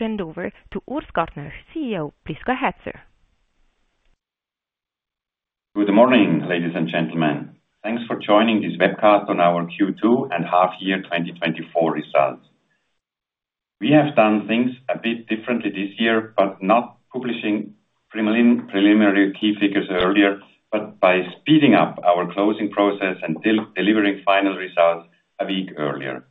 Hand over to Urs Gantner, CEO, Prisca Hafner. Good morning, ladies and gentlemen. Thanks for joining this webcast on our Q2 and half year 2024 results. We have done things a bit differently this year, but not by publishing preliminary key figures earlier, but by speeding up our closing process and delivering final results a week earlier.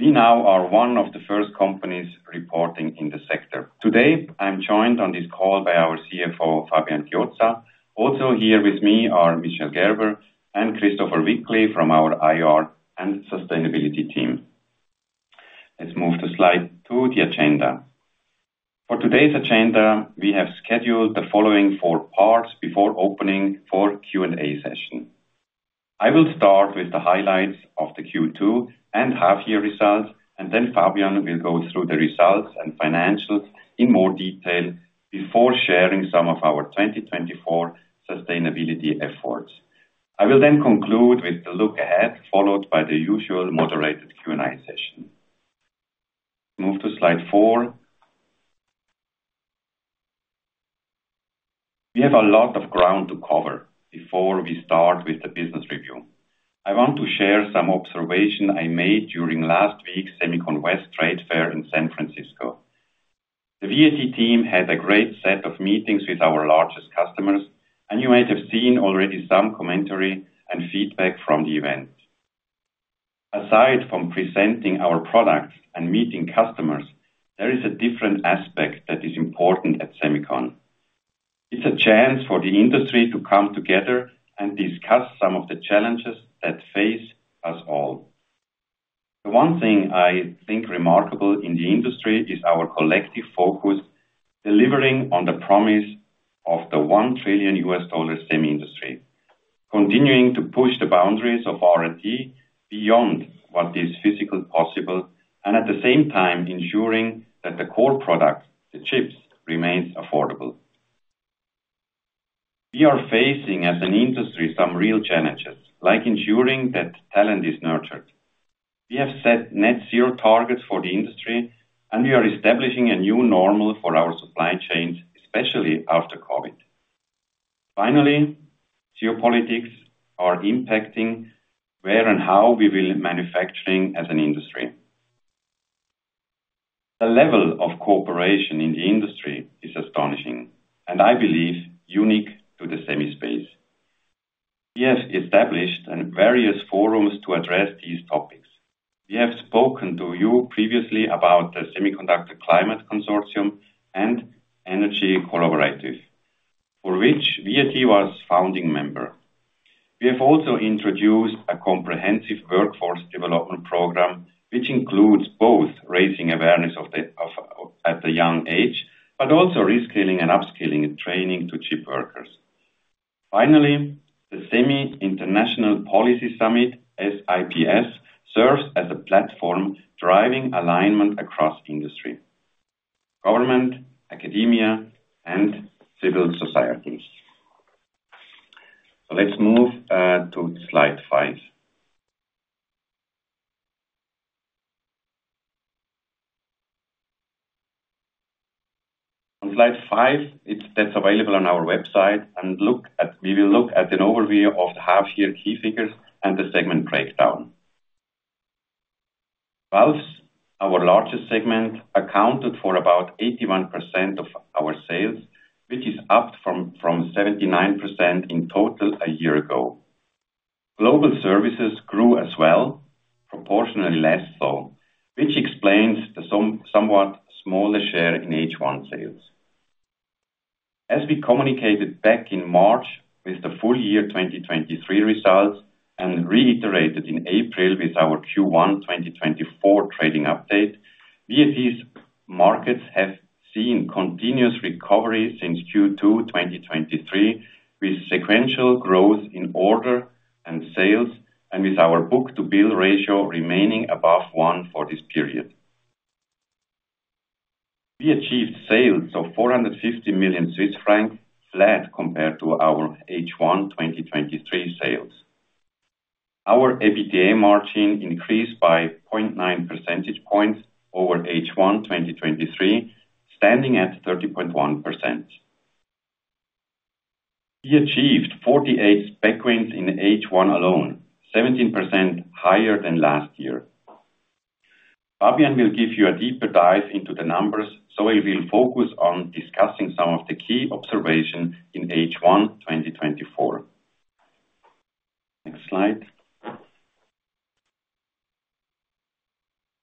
We now are one of the first companies reporting in the sector. Today, I'm joined on this call by our CFO, Fabian Chiozza. Also here with me are Michel Gerber and Christopher Wickli from our IR and sustainability team. Let's move to slide 2, the agenda. For today's agenda, we have scheduled the following four parts before opening for Q&A session. I will start with the highlights of the Q2 and half year results, and then Fabian will go through the results and financials in more detail before sharing some of our 2024 sustainability efforts. I will then conclude with the look ahead, followed by the usual moderated Q&A session. Move to slide four. We have a lot of ground to cover before we start with the business review. I want to share some observation I made during last week's SEMICON West Trade Fair in San Francisco. The VAT team had a great set of meetings with our largest customers, and you might have seen already some commentary and feedback from the event. Aside from presenting our products and meeting customers, there is a different aspect that is important at SEMICON. It's a chance for the industry to come together and discuss some of the challenges that face us all. The one thing I think remarkable in the industry is our collective focus, delivering on the promise of the $1 trillion semi industry, continuing to push the boundaries of R&D beyond what is physically possible, and at the same time, ensuring that the core product, the chips, remains affordable. We are facing, as an industry, some real challenges, like ensuring that talent is nurtured. We have set net zero targets for the industry, and we are establishing a new normal for our supply chains, especially after COVID. Finally, geopolitics are impacting where and how we will be manufacturing as an industry. The level of cooperation in the industry is astonishing, and I believe, unique to the semi space. We have established in various forums to address these topics. We have spoken to you previously about the Semiconductor Climate Consortium and Energy Collaborative, for which VAT was founding member. We have also introduced a comprehensive workforce development program, which includes both raising awareness of the, of, at a young age, but also reskilling and upskilling and training to chip workers. Finally, the Semi International Policy Summit, SIPS, serves as a platform, driving alignment across industry, government, academia, and civil societies. Let's move to slide 5. On slide 5, it's available on our website, and we will look at an overview of the half-year key figures and the segment breakdown. Wafers, our largest segment, accounted for about 81% of our sales, which is up from 79% in total a year ago. Global services grew as well, proportionally less so, which explains the somewhat smaller share in H1 sales. As we communicated back in March with the full year 2023 results, and reiterated in April with our Q1 2024 trading update, VAT's markets have seen continuous recovery since Q2 2023, with sequential growth in order and sales, and with our book to bill ratio remaining above one for this period. We achieved sales of 450 million Swiss francs, flat compared to our H1 2023 sales. Our EBITDA margin increased by 0.9 percentage points over H1 2023, standing at 30.1%. We achieved 48 spec wins in H1 alone, 17% higher than last year. Fabian will give you a deeper dive into the numbers, so I will focus on discussing some of the key observations in H1 2024. Next slide.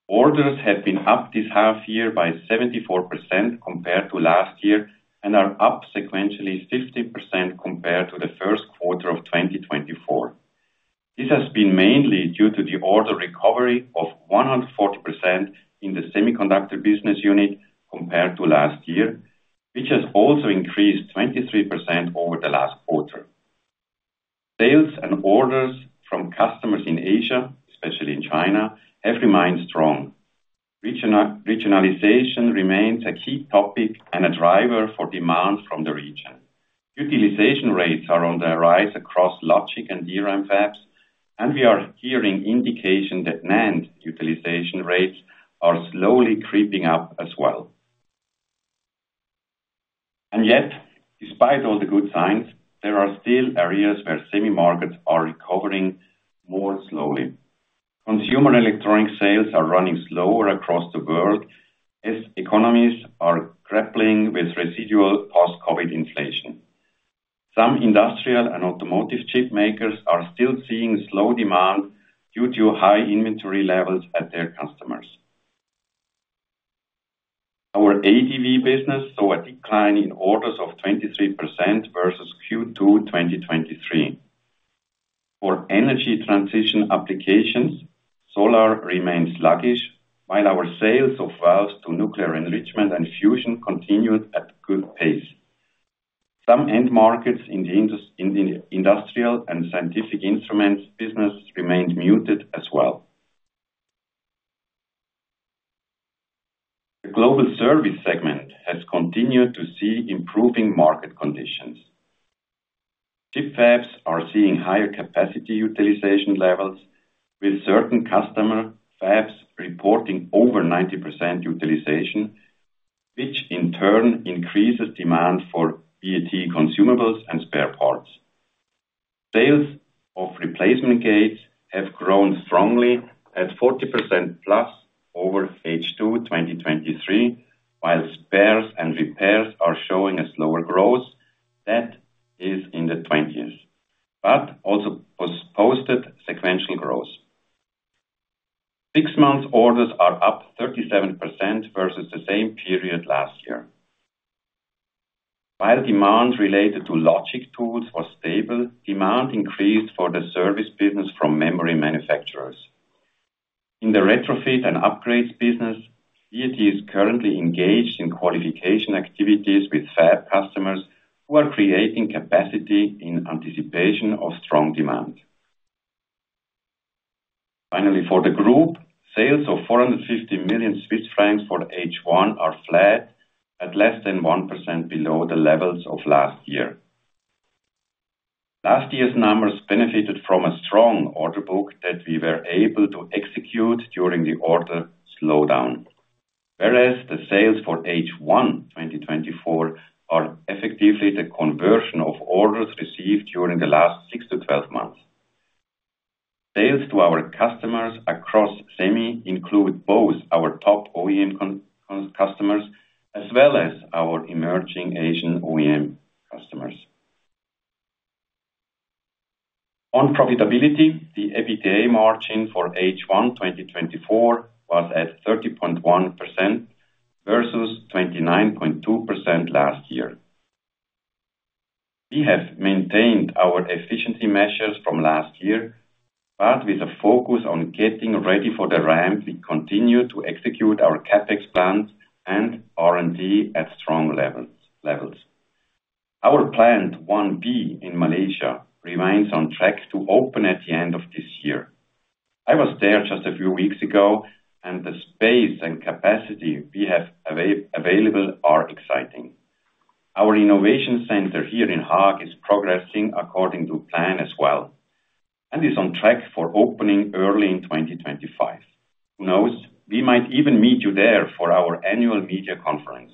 Orders have been up this half year by 74% compared to last year, and are up sequentially 50% compared to the first quarter of 2024. This has been mainly due to the order recovery of 140% in the semiconductor business unit compared to last year, which has also increased 23% over the last quarter. Sales and orders from customers in Asia, especially in China, have remained strong. Regionalization remains a key topic and a driver for demand from the region. Utilization rates are on the rise across Logic and DRAM fabs, and we are hearing indication that NAND utilization rates are slowly creeping up as well. And yet, despite all the good signs, there are still areas where semi markets are recovering more slowly. Consumer electronic sales are running slower across the world, as economies are grappling with residual post-COVID inflation. Some industrial and automotive chip makers are still seeing slow demand due to high inventory levels at their customers. Our ADV business saw a decline in orders of 23% versus Q2 2023. For energy transition applications, solar remains sluggish, while our sales of valves to nuclear enrichment and fusion continued at good pace. Some end markets in the industrial and scientific instruments business remained muted as well. The global service segment has continued to see improving market conditions. Chip fabs are seeing higher capacity utilization levels, with certain customer fabs reporting over 90% utilization, which in turn increases demand for VAT consumables and spare parts. Sales of replacement gates have grown strongly at 40%+ over H2 2023, while spares and repairs are showing a slower growth. That is in the 20s, but also posted sequential growth. Six-month orders are up 37% versus the same period last year. While demand related to logic tools was stable, demand increased for the service business from memory manufacturers. In the retrofit and upgrades business, VAT is currently engaged in qualification activities with fab customers, who are creating capacity in anticipation of strong demand. Finally, for the group, sales of 450 million Swiss francs for H1 are flat, at less than 1% below the levels of last year. Last year's numbers benefited from a strong order book that we were able to execute during the order slowdown. Whereas the sales for H1, 2024, are effectively the conversion of orders received during the last 6 to 12 months. Sales to our customers across semi include both our top OEM customers, as well as our emerging Asian OEM customers. On profitability, the EBITDA margin for H1 2024 was at 30.1% versus 29.2% last year. We have maintained our efficiency measures from last year, but with a focus on getting ready for the ramp, we continue to execute our CapEx plans and R&D at strong levels. Our Plant 1B in Malaysia remains on track to open at the end of this year. I was there just a few weeks ago, and the space and capacity we have available are exciting. Our innovation center here in Haag is progressing according to plan as well, and is on track for opening early in 2025. Who knows? We might even meet you there for our annual media conference.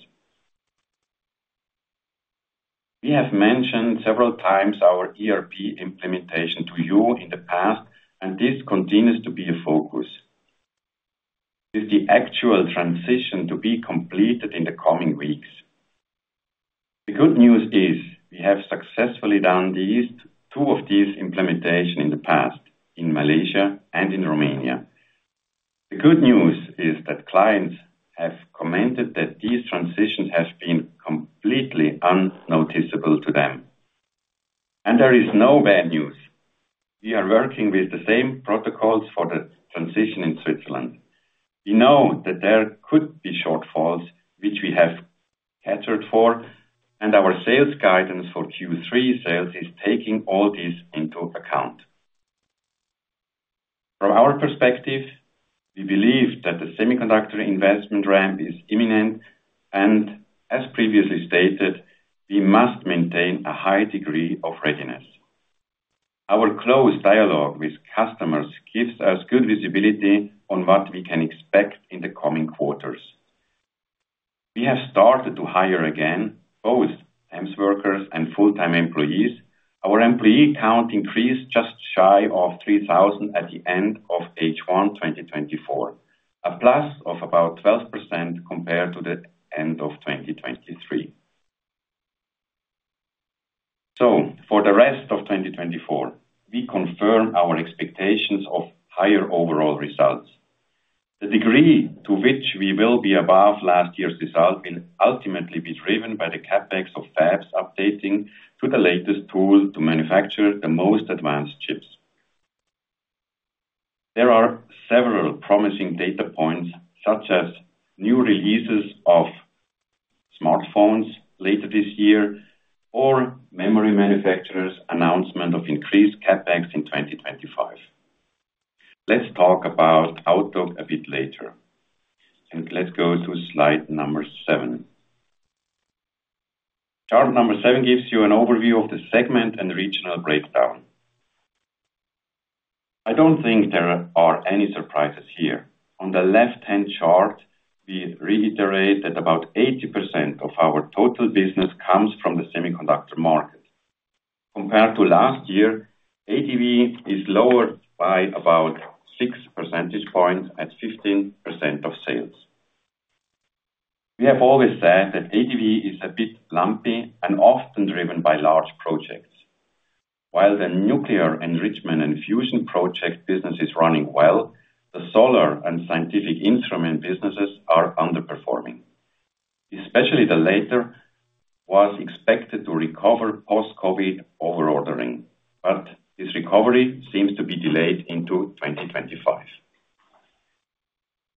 We have mentioned several times our ERP implementation to you in the past, and this continues to be a focus, with the actual transition to be completed in the coming weeks. The good news is, we have successfully done these, 2 of these implementations in the past, in Malaysia and in Romania. The good news is that clients have commented that these transitions have been completely unnoticeable to them, and there is no bad news. We are working with the same protocols for the transition in Switzerland. We know that there could be shortfalls, which we have catered for, and our sales guidance for Q3 sales is taking all this into account. From our perspective, we believe that the semiconductor investment ramp is imminent, and as previously stated, we must maintain a high degree of readiness. Our close dialogue with customers gives us good visibility on what we can expect in the coming quarters. We have started to hire again, both temps workers and full-time employees. Our employee count increased just shy of 3,000 at the end of H1 2024, a + of about 12% compared to the end of 2023. So for the rest of 2024, we confirm our expectations of higher overall results. The degree to which we will be above last year's result will ultimately be driven by the CapEx of fabs updating to the latest tool to manufacture the most advanced chips. There are several promising data points, such as new releases of smartphones later this year, or memory manufacturers' announcement of increased CapEx in 2025.... Let's talk about outlook a bit later, and let's go to slide number 7. Chart number seven gives you an overview of the segment and regional breakdown. I don't think there are any surprises here. On the left-hand chart, we reiterate that about 80% of our total business comes from the semiconductor market. Compared to last year, ADV is lowered by about six percentage points at 15% of sales. We have always said that ADV is a bit lumpy and often driven by large projects. While the nuclear enrichment and fusion project business is running well, the solar and scientific instrument businesses are underperforming. Especially the latter was expected to recover post-COVID over-ordering, but this recovery seems to be delayed into 2025.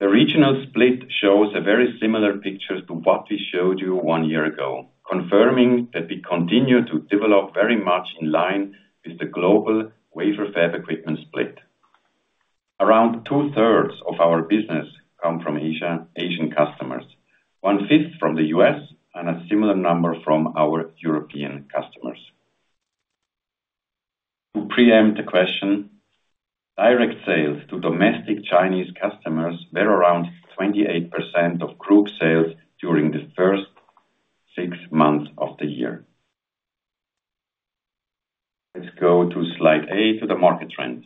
The regional split shows a very similar picture to what we showed you one year ago, confirming that we continue to develop very much in line with the global wafer fab equipment split. Around two-thirds of our business come from Asia, Asian customers, one-fifth from the US, and a similar number from our European customers. To preempt the question, direct sales to domestic Chinese customers were around 28% of group sales during the first six months of the year. Let's go to Slide 8, to the market trends.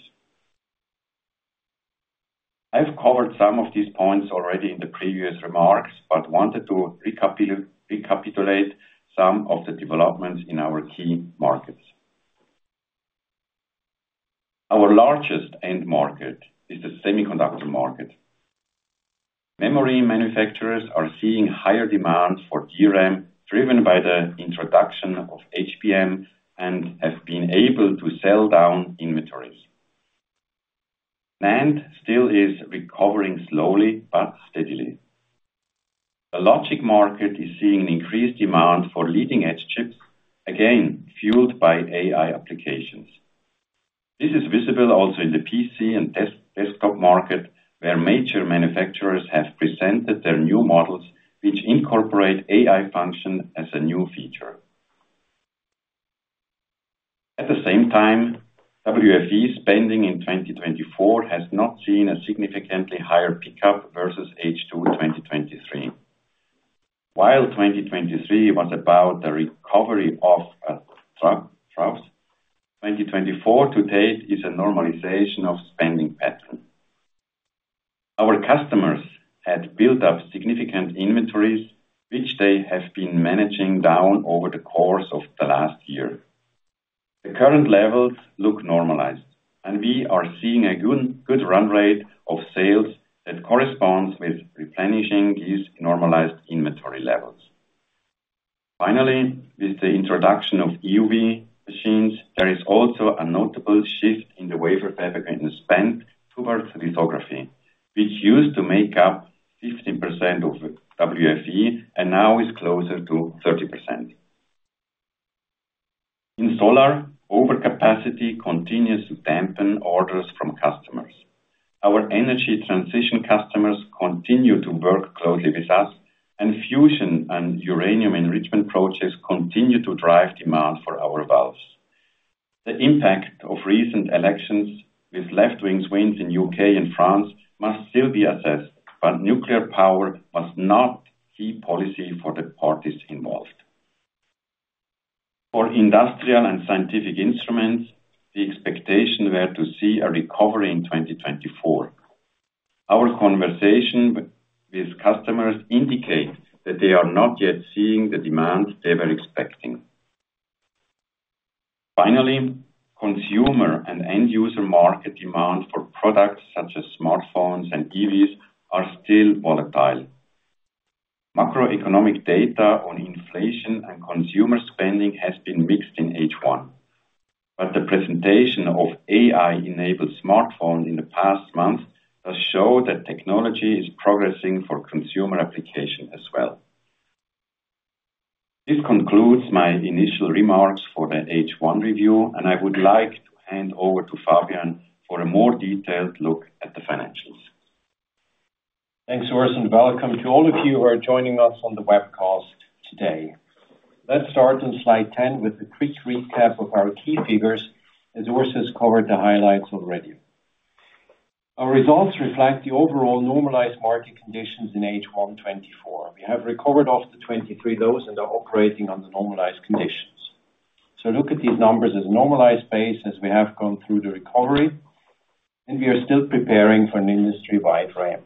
I've covered some of these points already in the previous remarks, but wanted to recapitulate some of the developments in our key markets. Our largest end market is the semiconductor market. Memory manufacturers are seeing higher demand for DRAM, driven by the introduction of HBM, and have been able to sell down inventories. NAND still is recovering slowly but steadily. The logic market is seeing an increased demand for leading-edge chips, again, fueled by AI applications. This is visible also in the PC and desktop market, where major manufacturers have presented their new models, which incorporate AI function as a new feature. At the same time, WFE spending in 2024 has not seen a significantly higher pickup versus H2 2023. While 2023 was about the recovery of a trough, 2024 to date is a normalization of spending pattern. Our customers had built up significant inventories, which they have been managing down over the course of the last year. The current levels look normalized, and we are seeing a good run rate of sales that corresponds with replenishing these normalized inventory levels. Finally, with the introduction of EUV machines, there is also a notable shift in the wafer fab spend towards lithography, which used to make up 15% of WFE and now is closer to 30%. In solar, overcapacity continues to dampen orders from customers. Our energy transition customers continue to work closely with us, and fusion and uranium enrichment projects continue to drive demand for our valves. The impact of recent elections with left-wing swings in U.K. and France must still be assessed, but nuclear power must remain a key policy for the parties involved. For industrial and scientific instruments, the expectation were to see a recovery in 2024. Our conversation with customers indicate that they are not yet seeing the demand they were expecting. Finally, consumer and end-user market demand for products, such as smartphones and EVs, are still volatile. Macroeconomic data on inflation and consumer spending has been mixed in H1, but the presentation of AI-enabled smartphone in the past month does show that technology is progressing for consumer application as well. This concludes my initial remarks for the H1 review, and I would like to hand over to Fabian for a more detailed look at the financials. Thanks, Urs, and welcome to all of you who are joining us on the webcast today. Let's start on slide 10 with a quick recap of our key figures, as Urs has covered the highlights already. Our results reflect the overall normalized market conditions in H1 2024. We have recovered off the 2023 lows and are operating on the normalized conditions. So look at these numbers as normalized base as we have gone through the recovery, and we are still preparing for an industry-wide ramp.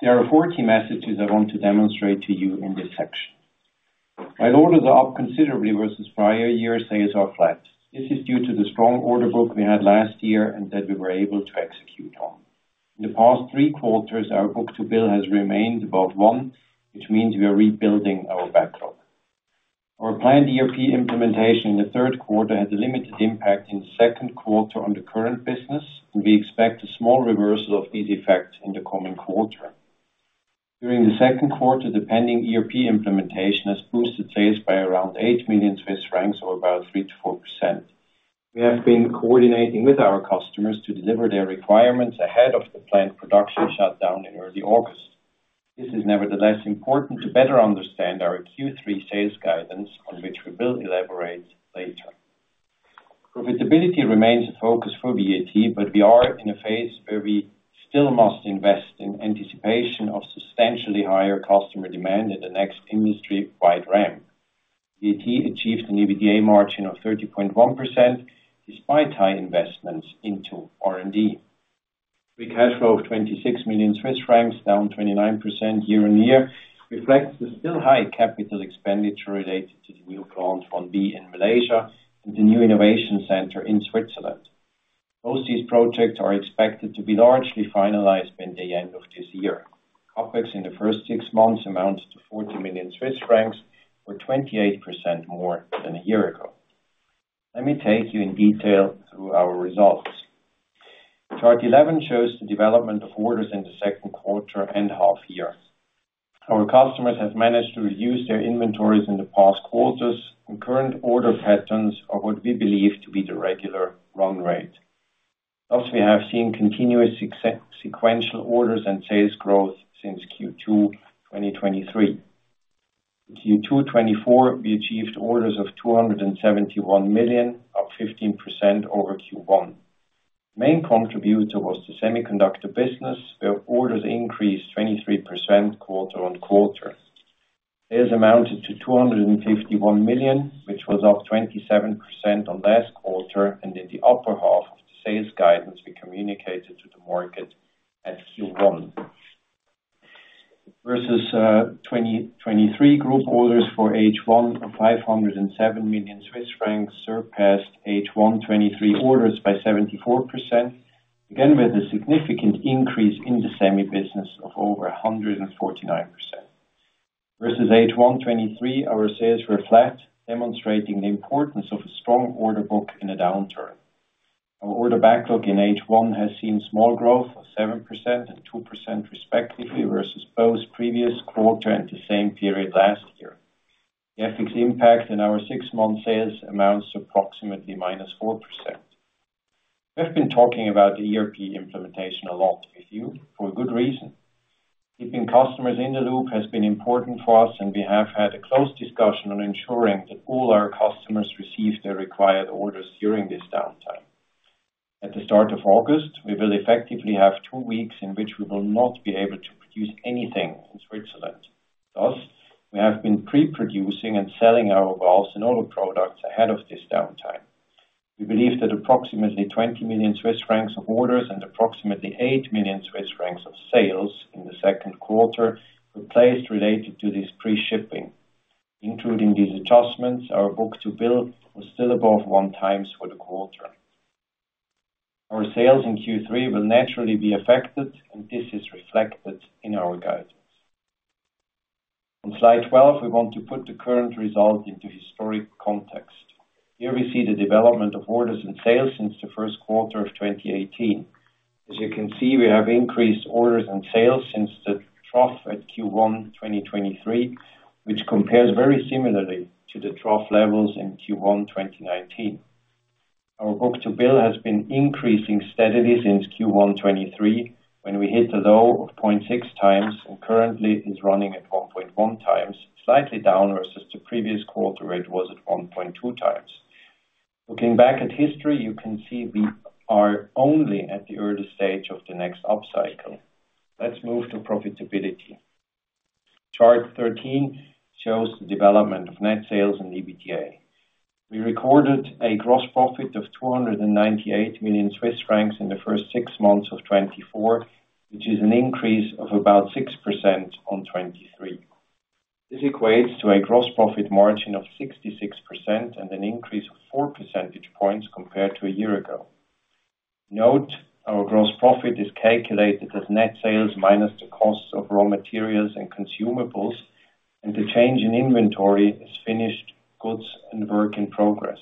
There are four key messages I want to demonstrate to you in this section. While orders are up considerably versus prior year, sales are flat. This is due to the strong order book we had last year and that we were able to execute on. In the past three quarters, our book-to-bill has remained about one, which means we are rebuilding our backlog. Our planned ERP implementation in the third quarter had a limited impact in the second quarter on the current business, and we expect a small reversal of this effect in the coming quarter. During the second quarter, the pending ERP implementation has boosted sales by around 8 million Swiss francs, or about 3%-4%. We have been coordinating with our customers to deliver their requirements ahead of the planned production shutdown in early August. This is nevertheless important to better understand our Q3 sales guidance, on which we will elaborate later. Profitability remains a focus for VAT, but we are in a phase where we still must invest in anticipation of substantially higher customer demand in the next industry-wide ramp. VAT achieved an EBITDA margin of 30.1%, despite high investments into R&D. Free cash flow of 26 million Swiss francs, down 29% year-on-year, reflects the still high capital expenditure related to the new Plant 1B in Malaysia and the new innovation center in Switzerland. Both these projects are expected to be largely finalized by the end of this year. CapEx in the first six months amounts to 40 million Swiss francs, or 28% more than a year ago. Let me take you in detail through our results. Chart 11 shows the development of orders in the second quarter and half year. Our customers have managed to reduce their inventories in the past quarters, and current order patterns are what we believe to be the regular run rate. Also, we have seen continuous sequential orders and sales growth since Q2 2023. In Q2 2024, we achieved orders of 271 million, up 15% over Q1. Main contributor was the semiconductor business, where orders increased 23% quarter-on-quarter. Sales amounted to 251 million, which was up 27% on last quarter, and in the upper half of the sales guidance we communicated to the market at Q1. Versus 2023, group orders for H1 of 507 million Swiss francs surpassed H1 2023 orders by 74%, again, with a significant increase in the semi business of over 149%. Versus H1 2023, our sales were flat, demonstrating the importance of a strong order book in a downturn. Our order backlog in H1 has seen small growth of 7% and 2% respectively versus both previous quarter and the same period last year. The FX impact in our six-month sales amounts to approximately -4%. We've been talking about the ERP implementation a lot with you for a good reason. Keeping customers in the loop has been important for us, and we have had a close discussion on ensuring that all our customers receive their required orders during this downtime. At the start of August, we will effectively have two weeks in which we will not be able to produce anything in Switzerland. Thus, we have been pre-producing and selling our valves and other products ahead of this downtime. We believe that approximately 20 million Swiss francs of orders and approximately 8 million Swiss francs of sales in the second quarter were placed related to this pre-shipping. Including these adjustments, our book-to-bill was still above one times for the quarter. Our sales in Q3 will naturally be affected, and this is reflected in our guidance. On slide 12, we want to put the current result into historic context. Here, we see the development of orders and sales since the first quarter of 2018. As you can see, we have increased orders and sales since the trough at Q1 2023, which compares very similarly to the trough levels in Q1 2019. Our book-to-bill has been increasing steadily since Q1 2023, when we hit the low of 0.6 times, and currently is running at 1.1 times, slightly down versus the previous quarter, it was at 1.2 times. Looking back at history, you can see we are only at the early stage of the next upcycle. Let's move to profitability. Chart 13 shows the development of net sales and EBITDA. We recorded a gross profit of 298 million Swiss francs in the first six months of 2024, which is an increase of about 6% on 2023. This equates to a gross profit margin of 66% and an increase of 4 percentage points compared to a year ago. Note, our gross profit is calculated as net sales minus the costs of raw materials and consumables, and the change in inventory is finished goods and work in progress.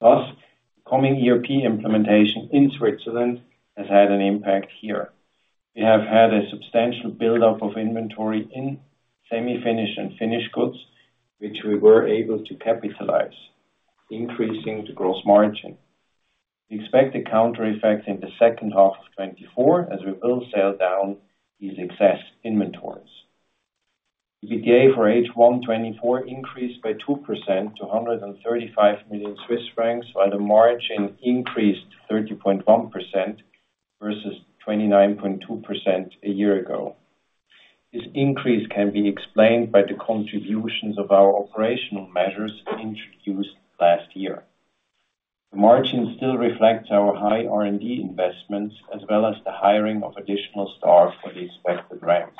Thus, the coming ERP implementation in Switzerland has had an impact here. We have had a substantial buildup of inventory in semi-finished and finished goods, which we were able to capitalize, increasing the gross margin. We expect a counter effect in the second half of 2024 as we will sell down these excess inventories. EBITDA for H1 2024 increased by 2% to 135 million Swiss francs, while the margin increased to 30.1% versus 29.2% a year ago. This increase can be explained by the contributions of our operational measures introduced last year. The margin still reflects our high R&D investments, as well as the hiring of additional staff for the expected ramps.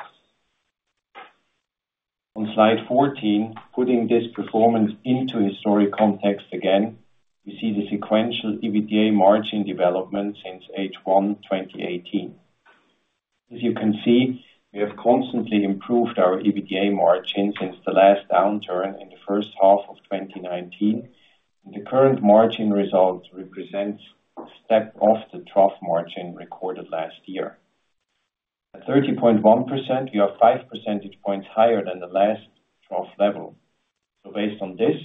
On Slide 14, putting this performance into historic context again, we see the sequential EBITDA margin development since H1 2018. As you can see, we have constantly improved our EBITDA margin since the last downturn in the first half of 2019, and the current margin results represent step off the trough margin recorded last year. At 30.1%, we are five percentage points higher than the last trough level. So based on this,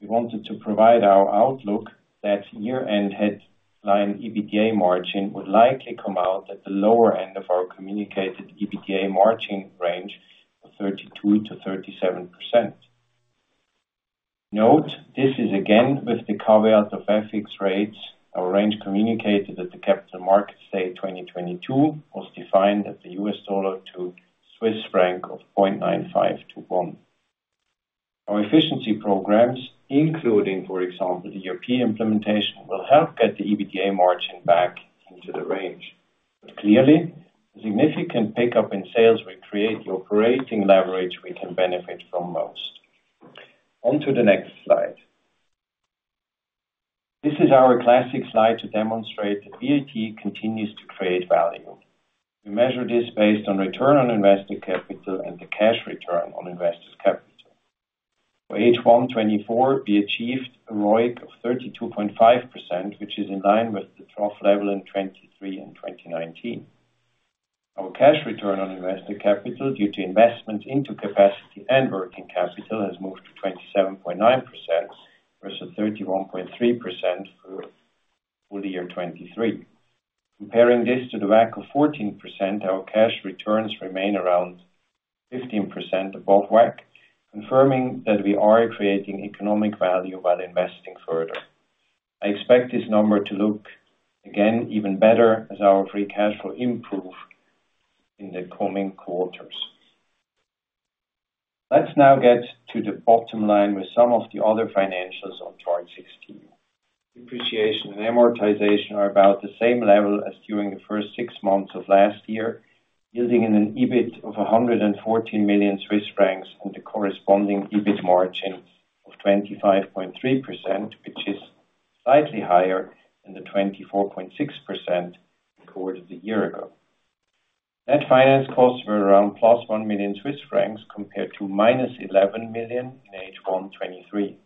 we wanted to provide our outlook that year-end headline EBITDA margin would likely come out at the lower end of our communicated EBITDA margin range of 32%-37%. Note, this is again, with the caveat of FX rates, our range communicated at the capital market, say, 2022, was defined as the US dollar to Swiss franc of 0.9521. Our efficiency programs, including, for example, the ERP implementation, will help get the EBITDA margin back into the range. But clearly, significant pickup in sales will create the operating leverage we can benefit from most. On to the next slide. This is our classic slide to demonstrate that VAT continues to create value. We measure this based on return on invested capital and the cash return on invested capital. For H1 2024, we achieved a ROIC of 32.5%, which is in line with the trough level in 2023 and 2019. Our cash return on invested capital due to investment into capacity and working capital has moved to 27.9% versus 31.3% for the year 2023. Comparing this to the WACC of 14%, our cash returns remain around 15% above WACC, confirming that we are creating economic value while investing further. I expect this number to look again even better as our free cash flow improve in the coming quarters. Let's now get to the bottom line with some of the other financials on chart 16. Depreciation and amortization are about the same level as during the first six months of last year, yielding an EBIT of 114 million Swiss francs, and a corresponding EBIT margin of 25.3%, which is slightly higher than the 24.6% recorded a year ago. Net finance costs were around +1 million Swiss francs, compared to -11 million in H1 2023.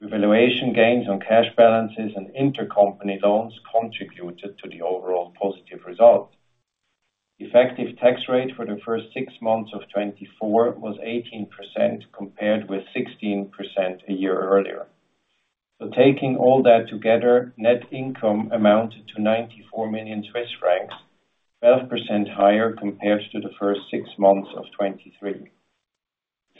Revaluation gains on cash balances and intercompany loans contributed to the overall positive result. Effective tax rate for the first six months of 2024 was 18%, compared with 16% a year earlier. So taking all that together, net income amounted to 94 million Swiss francs, 12% higher compared to the first six months of 2023.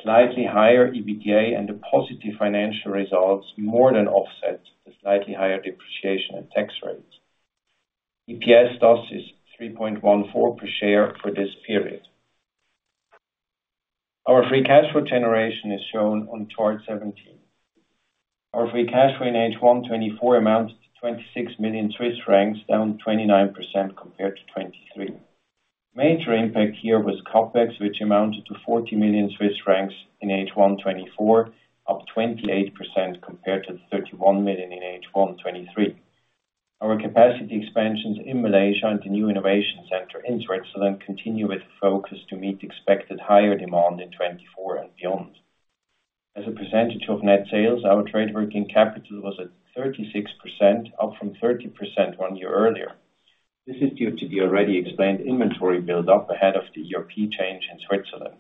Slightly higher EBITDA and the positive financial results more than offset the slightly higher depreciation and tax rates. EPS thus is 3.14 per share for this period. Our free cash flow generation is shown on chart 17. Our free cash flow in H1 2024 amounted to 26 million Swiss francs, down 29% compared to 2023. Major impact here was CapEx, which amounted to 40 million Swiss francs in H1 2024, up 28% compared to the 31 million in H1 2023. Our capacity expansions in Malaysia and the new innovation center in Switzerland continue with the focus to meet expected higher demand in 2024 and beyond. As a percentage of net sales, our trade working capital was at 36%, up from 30% one year earlier. This is due to the already explained inventory build-up ahead of the ERP change in Switzerland.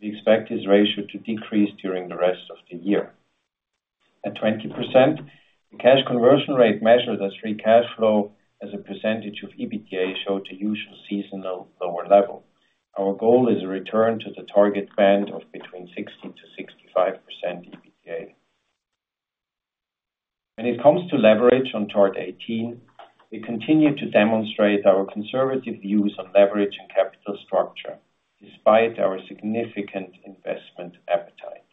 We expect this ratio to decrease during the rest of the year. At 20%, the cash conversion rate measured as free cash flow as a percentage of EBITDA, show the usual seasonal lower level. Our goal is a return to the target band of between 60%-65% EBITDA. When it comes to leverage on Chart 18, we continue to demonstrate our conservative views on leverage and capital structure, despite our significant investment appetite.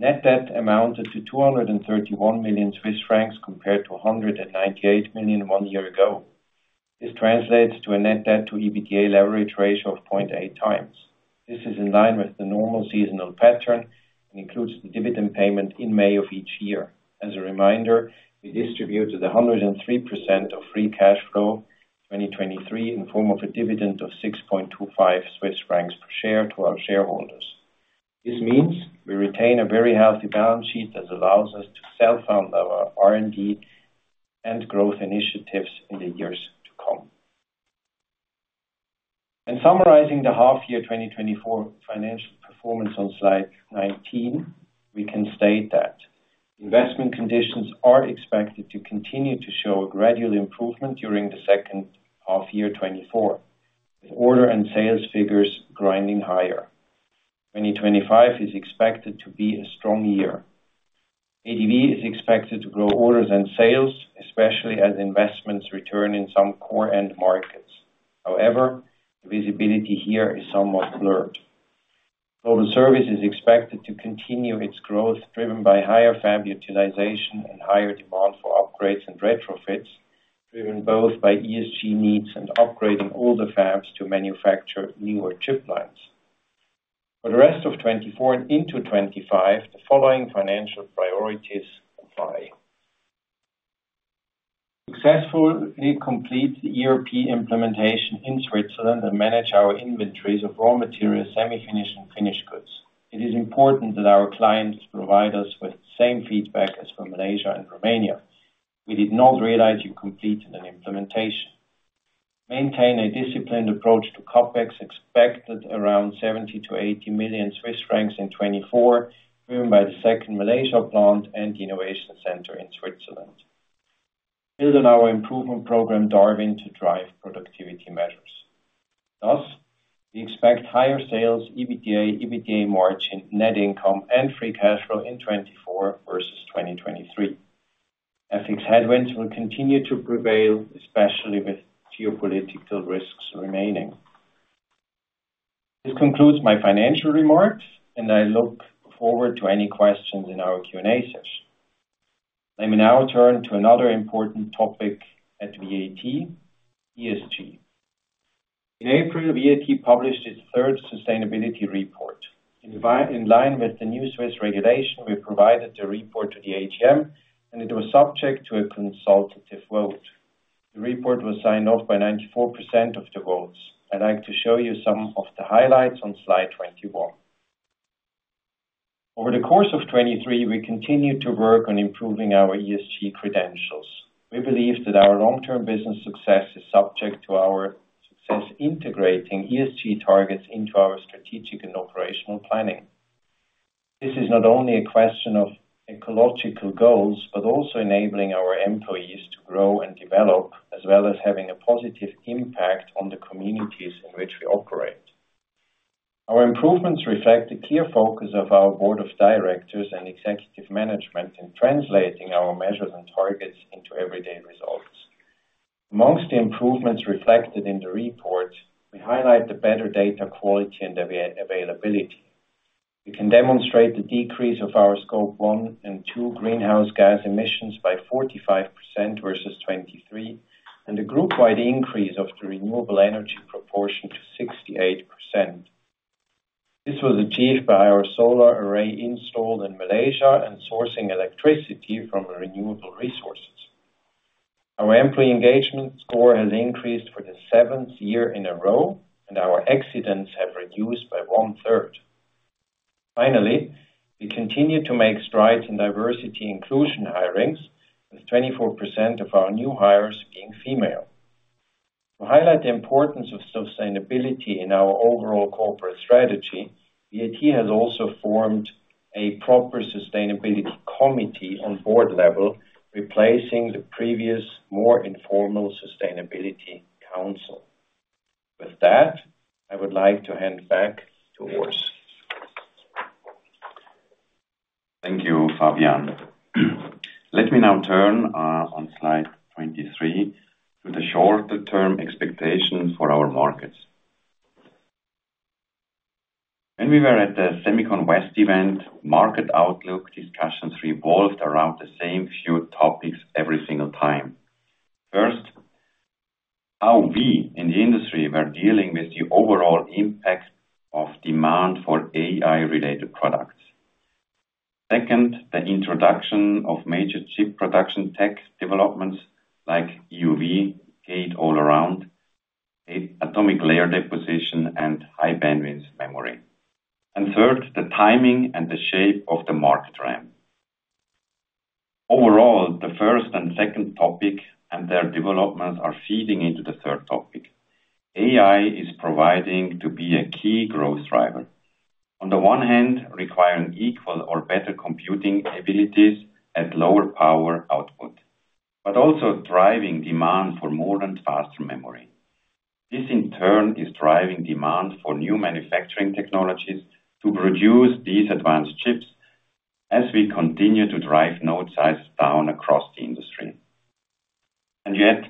Net debt amounted to 231 million Swiss francs, compared to 198 million one year ago. This translates to a net debt to EBITDA leverage ratio of 0.8x. This is in line with the normal seasonal pattern and includes the dividend payment in May of each year. As a reminder, we distributed 103% of free cash flow, 2023, in form of a dividend of 6.25 Swiss francs per share to our shareholders. This means we retain a very healthy balance sheet that allows us to self-fund our R&D and growth initiatives in the years to come. In summarizing the half year 2024 financial performance on slide 19, we can state that investment conditions are expected to continue to show a gradual improvement during the second half year 2024, with order and sales figures grinding higher. 2025 is expected to be a strong year. VAT is expected to grow orders and sales, especially as investments return in some core end markets. However, the visibility here is somewhat blurred. Global service is expected to continue its growth, driven by higher fab utilization and higher demand for upgrades and retrofits, driven both by ESG needs and upgrading older fabs to manufacture newer chip lines. For the rest of 2024 and into 2025, the following financial priorities apply: Successfully complete the ERP implementation in Switzerland and manage our inventories of raw materials, semi-finished and finished goods. It is important that our clients provide us with the same feedback as from Malaysia and Romania. We did not realize you completed an implementation. Maintain a disciplined approach to CapEx, expected around 70-80 million Swiss francs in 2024, driven by the second Malaysia plant and the innovation center in Switzerland. Build on our improvement program, Darwin, to drive productivity measures. Thus, we expect higher sales, EBITDA, EBITDA margin, net income, and free cash flow in 2024 versus 2023. FX headwinds will continue to prevail, especially with geopolitical risks remaining. This concludes my financial remarks, and I look forward to any questions in our Q&A session. Let me now turn to another important topic at VAT, ESG. In April, VAT published its third sustainability report. In line with the new Swiss regulation, we provided the report to the AGM, and it was subject to a consultative vote. The report was signed off by 94% of the votes. I'd like to show you some of the highlights on slide 21. Over the course of 2023, we continued to work on improving our ESG credentials. We believe that our long-term business success is subject to our success integrating ESG targets into our strategic and operational planning. This is not only a question of ecological goals, but also enabling our employees to grow and develop, as well as having a positive impact on the communities in which we operate. Our improvements reflect the clear focus of our board of directors and executive management in translating our measures and targets into everyday results. Among the improvements reflected in the report, we highlight the better data quality and availability. We can demonstrate the decrease of our Scope 1 and 2 greenhouse gas emissions by 45% versus 2023, and a group-wide increase of the renewable energy proportion to 68%. This was achieved by our solar array installed in Malaysia and sourcing electricity from renewable resources. Our employee engagement score has increased for the seventh year in a row, and our accidents have reduced by one-third. Finally, we continue to make strides in diversity inclusion hirings, with 24% of our new hires being female. To highlight the importance of sustainability in our overall corporate strategy, VAT has also formed a proper sustainability committee on board level, replacing the previous, more informal sustainability council. With that, I would like to hand back to Urs. Thank you, Fabian. Let me now turn on slide 23 to the shorter-term expectations for our markets. When we were at the SEMICON West event, market outlook discussions revolved around the same few topics every single time. First, how we in the industry were dealing with the overall impact of demand for AI-related products. Second, the introduction of major chip production tech developments like EUV, Gate-All-Around, Atomic Layer Deposition, and High Bandwidth Memory. And third, the timing and the shape of the market trend. Overall, the first and second topic and their developments are feeding into the third topic. AI is proving to be a key growth driver. On the one hand, requiring equal or better computing abilities at lower power output, but also driving demand for more and faster memory. This, in turn, is driving demand for new manufacturing technologies to produce these advanced chips as we continue to drive node sizes down across the industry. And yet,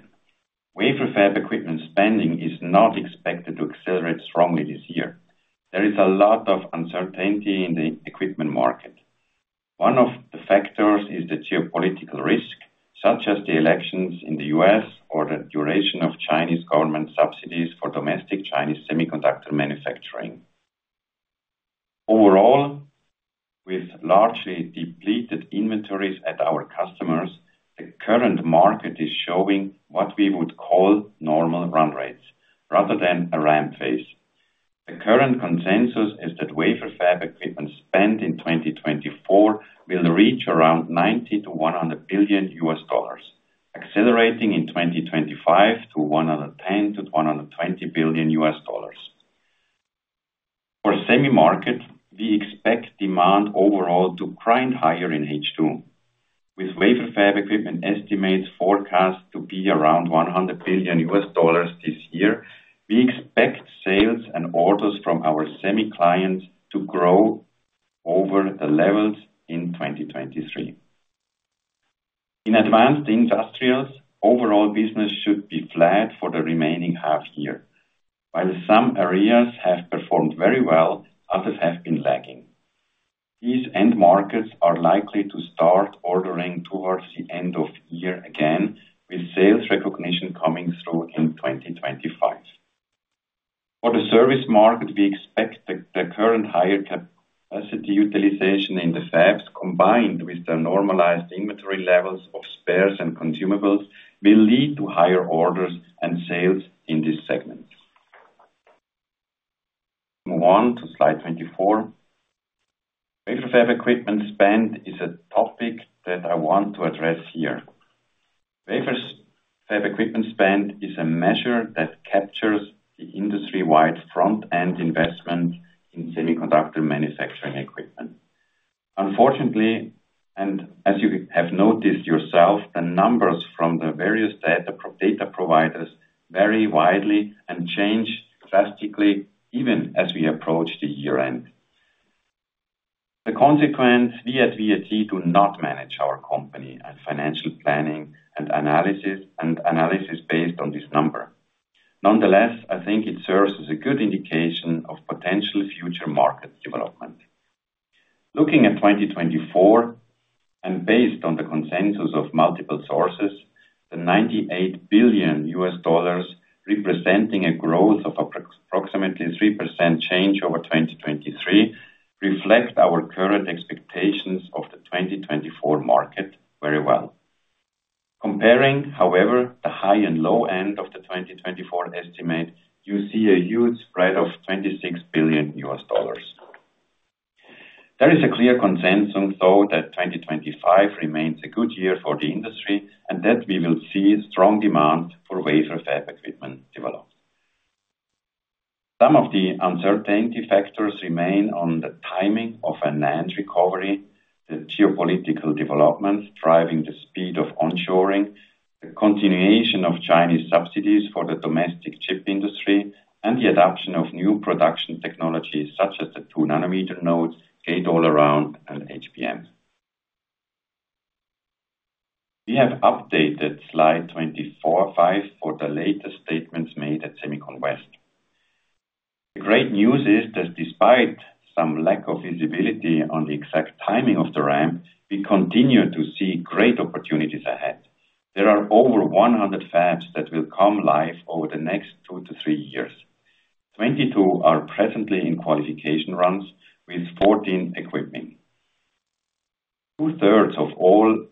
wafer fab equipment spending is not expected to accelerate strongly this year. There is a lot of uncertainty in the equipment market. One of the factors is the geopolitical risk, such as the elections in the U.S. or the duration of Chinese government subsidies for domestic Chinese semiconductor manufacturing. Overall, with largely depleted inventories at our customers, the current market is showing what we would call normal run rates rather than a ramp phase. The current consensus is that wafer fab equipment spend in 2024 will reach around $90 billion-$100 billion, accelerating in 2025 to $110 billion-$120 billion. For semi market, we expect demand overall to grind higher in H2. With wafer fab equipment estimates forecast to be around $100 billion this year, we expect sales and orders from our semi clients to grow over the levels in 2023. In advanced industrials, overall business should be flat for the remaining half year. While some areas have performed very well, others have been lagging. These end markets are likely to start ordering towards the end of year again, with sales recognition coming through in 2025. For the service market, we expect the current higher capacity utilization in the fabs, combined with the normalized inventory levels of spares and consumables, will lead to higher orders and sales in this segment. Move on to slide 24. Wafer fab equipment spend is a topic that I want to address here. Wafer Fab Equipment spend is a measure that captures the industry-wide front-end investment in semiconductor manufacturing equipment. Unfortunately, and as you have noticed yourself, the numbers from the various data providers vary widely and change drastically, even as we approach the year-end. The consequence, we at VAT do not manage our company and financial planning and analysis based on this number. Nonetheless, I think it serves as a good indication of potential future market development. Looking at 2024, and based on the consensus of multiple sources, the $98 billion, representing a growth of approximately 3% change over 2023, reflect our current expectations of the 2024 market very well. Comparing, however, the high and low end of the 2024 estimate, you see a huge spread of $26 billion. There is a clear consensus, though, that 2025 remains a good year for the industry, and that we will see strong demand for wafer fab equipment develop. Some of the uncertainty factors remain on the timing of a NAND recovery, the geopolitical developments driving the speed of onshoring, the continuation of Chinese subsidies for the domestic chip industry, and the adoption of new production technologies, such as the 2-nanometer node, gate-all-around, and HBM. We have updated Slide 25 for the latest statements made at Semiconductor. The great news is that despite some lack of visibility on the exact timing of the ramp, we continue to see great opportunities ahead. There are over 100 fabs that will come live over the next 2-3 years. 22 are presently in qualification runs, with 14 equipping. Two-thirds of all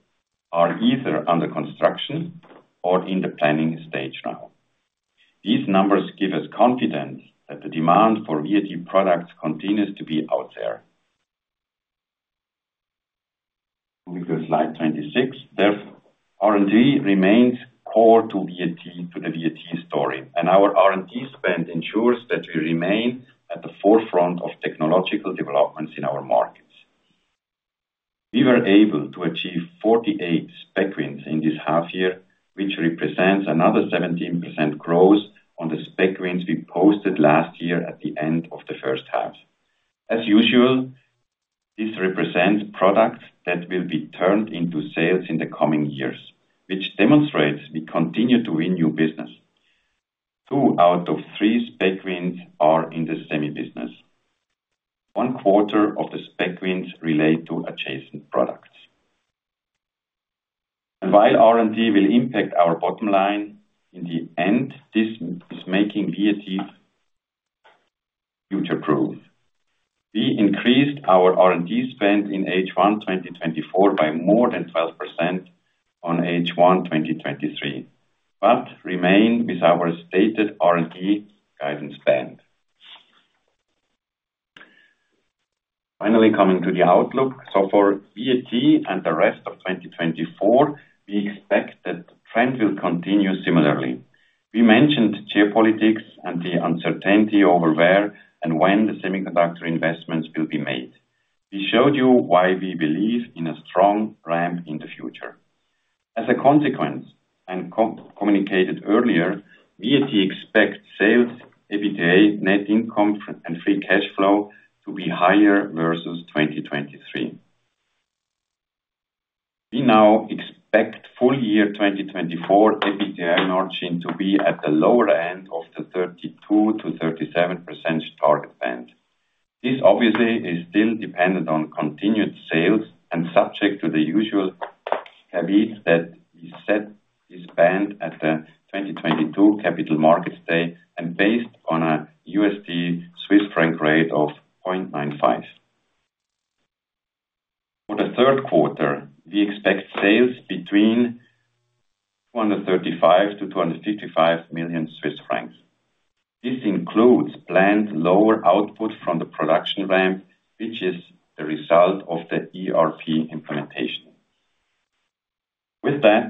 are either under construction or in the planning stage now. These numbers give us confidence that the demand for VAT products continues to be out there. Moving to slide 26. Therefore, R&D remains core to VAT, to the VAT story, and our R&D spend ensures that we remain at the forefront of technological developments in our markets. We were able to achieve 48 spec wins in this half year, which represents another 17% growth on the spec wins we posted last year at the end of the first half. As usual, this represents products that will be turned into sales in the coming years, which demonstrates we continue to win new business. 2 out of 3 spec wins are in the semi business. 1 quarter of the spec wins relate to adjacent products. While R&D will impact our bottom line, in the end, this is making VAT future growth. We increased our R&D spend in H1 2024 by more than 12% on H1 2023, but remain with our stated R&D guidance spend. Finally, coming to the outlook. So for VAT and the rest of 2024, we expect that trend will continue similarly. We mentioned geopolitics and the uncertainty over where and when the semiconductor investments will be made. We showed you why we believe in a strong ramp in the future. As a consequence, and communicated earlier, VAT expect sales, EBITDA, net income, and free cash flow to be higher versus 2023. We now expect full year 2024 EBITDA margin to be at the lower end of the 32%-37% target band. This obviously is still dependent on continued sales and subject to the usual caveats that we set this band at the 2022 Capital Markets Day, and based on a USD Swiss franc rate of 0.95. For the third quarter, we expect sales between 235 million Swiss francs and 255 million Swiss francs. This includes planned lower output from the production ramp, which is the result of the ERP implementation. With that,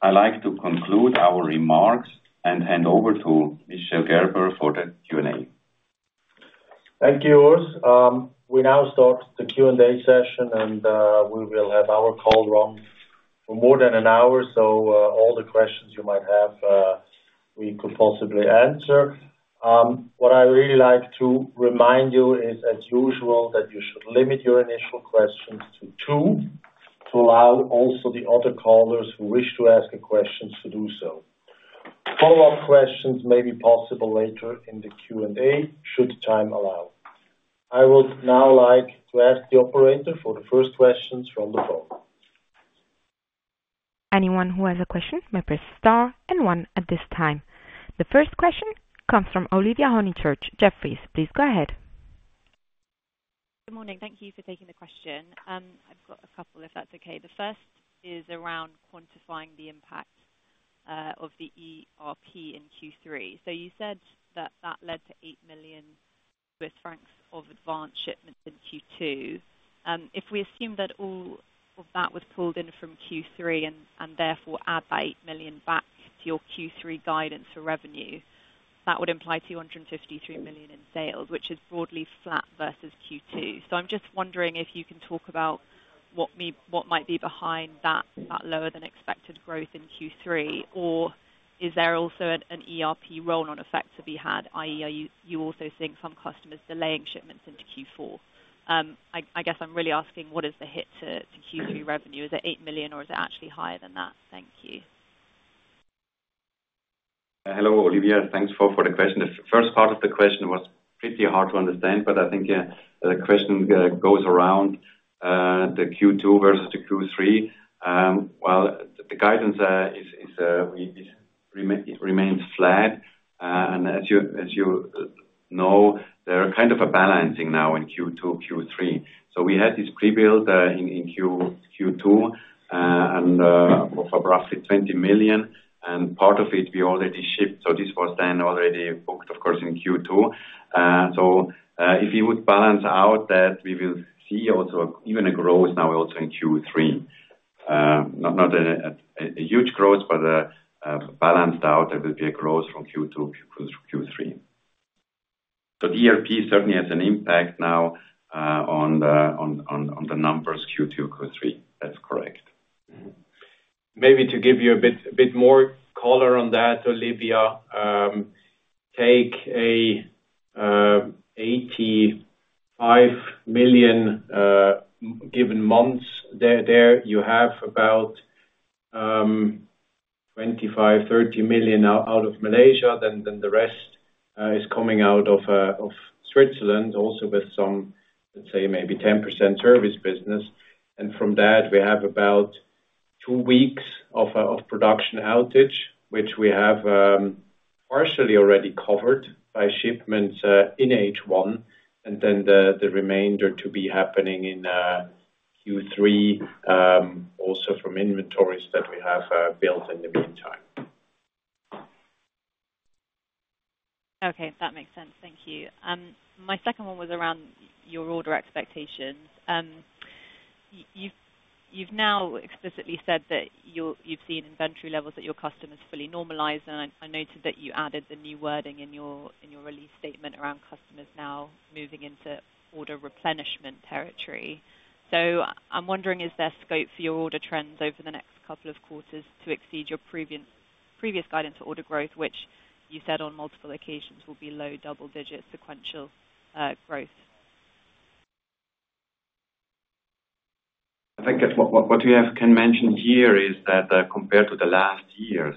I'd like to conclude our remarks and hand over to Michel Gerber for the Q&A. Thank you, Urs. We now start the Q&A session, and we will have our call run for more than an hour, so all the questions you might have, we could possibly answer. What I really like to remind you is, as usual, that you should limit your initial questions to two, to allow also the other callers who wish to ask questions to do so. Follow-up questions may be possible later in the Q&A, should time allow. I would now like to ask the operator for the first questions from the floor. Anyone who has a question may press star and one at this time. The first question comes from Olivia Honychurch, Jefferies. Please go ahead.... Good morning. Thank you for taking the question. I've got a couple, if that's okay. The first is around quantifying the impact of the ERP in Q3. So you said that that led to 8 million Swiss francs of advanced shipments in Q2. If we assume that all of that was pulled in from Q3 and therefore add that 8 million back to your Q3 guidance for revenue, that would imply 253 million in sales, which is broadly flat versus Q2. So I'm just wondering if you can talk about what might be behind that lower than expected growth in Q3? Or is there also an ERP roll-on effect to be had, i.e., are you also seeing some customers delaying shipments into Q4? I guess I'm really asking, what is the hit to Q3 revenue? Is it 8 million, or is it actually higher than that? Thank you. Hello, Olivia. Thanks for the question. The first part of the question was pretty hard to understand, but I think the question goes around the Q2 versus the Q3. Well, the guidance is it remains flat. And as you know, there are kind of a balancing now in Q2, Q3. So we had this prebuild in Q2 and of roughly 20 million, and part of it we already shipped, so this was then already booked, of course, in Q2. So if you would balance out that, we will see also even a growth now also in Q3. Not a huge growth, but a balanced out, there will be a growth from Q2 to Q3. So DRP certainly has an impact now on the numbers Q2, Q3. That's correct. Mm-hmm. Maybe to give you a bit more color on that, Olivia, take an 85 million given months there. You have about 25-30 million out of Malaysia, then the rest is coming out of Switzerland, also with some, let's say, maybe 10% service business. And from that, we have about two weeks of production outage, which we have partially already covered by shipments in H1, and then the remainder to be happening in Q3, also from inventories that we have built in the meantime. Okay, that makes sense. Thank you. My second one was around your order expectations. You've, you've now explicitly said that you've seen inventory levels at your customers fully normalize, and I noted that you added the new wording in your release statement around customers now moving into order replenishment territory. So I'm wondering, is there scope for your order trends over the next couple of quarters to exceed your previous guidance for order growth, which you said on multiple occasions will be low double digit sequential growth? I think what we can mention here is that, compared to the last years,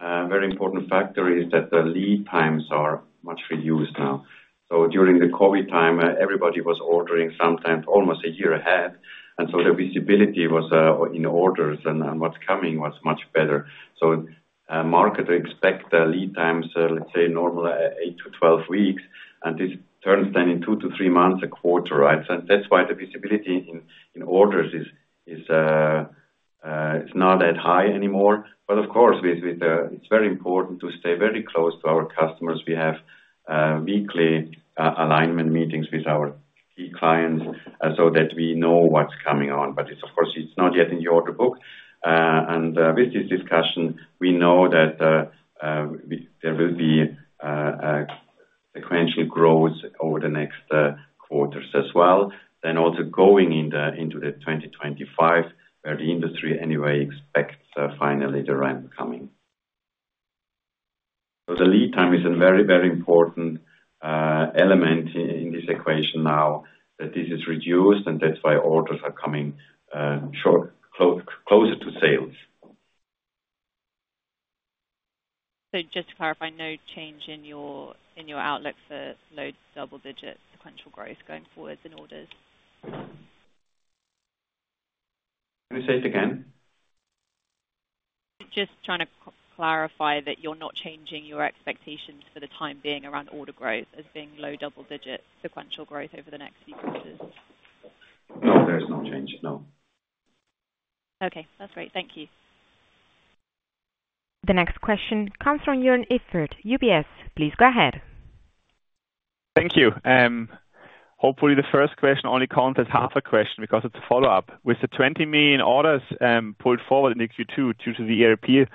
very important factor is that the lead times are much reduced now. So during the COVID time, everybody was ordering sometimes almost a year ahead, and so the visibility was in orders and what's coming was much better. So, market expect the lead times, let's say normal, 8-12 weeks, and this turns then in 2-3 months, a quarter, right? So that's why the visibility in orders is, it's not that high anymore. But of course, it's very important to stay very close to our customers. We have weekly alignment meetings with our key clients so that we know what's coming on. But it's of course, it's not yet in the order book. And with this discussion, we know that there will be sequential growth over the next quarters as well. Then also going into the 2025, where the industry anyway expects finally the ramp coming. So the lead time is a very, very important element in this equation now, that this is reduced, and that's why orders are coming short, closer to sales. Just to clarify, no change in your outlook for low double-digit sequential growth going forward in orders? Can you say it again? Just trying to clarify that you're not changing your expectations for the time being around order growth as being low double-digit sequential growth over the next few quarters. No, there's no change. No. Okay, that's great. Thank you. The next question comes from Jörn Iffert, UBS. Please go ahead. Thank you. Hopefully the first question only counts as half a question, because it's a follow-up. With the 20 million orders pulled forward in Q2 due to the ERP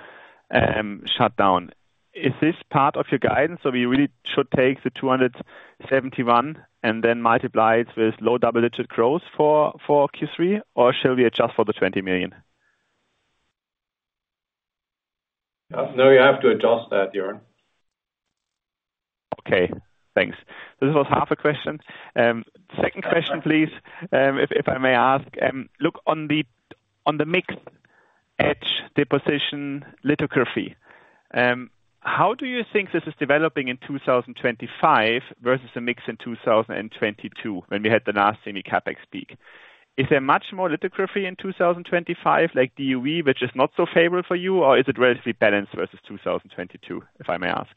shutdown, is this part of your guidance? So we really should take the 271 million and then multiply it with low double-digit growth for Q3, or shall we adjust for the 20 million? No, you have to adjust that, Jörn. Okay, thanks. This was half a question. Second question, please, if I may ask, look on the mix of etch deposition lithography, how do you think this is developing in 2025 versus the mix in 2022, when we had the last semi capex peak? Is there much more lithography in 2025, like DUV, which is not so favorable for you, or is it relatively balanced versus 2022, if I may ask?...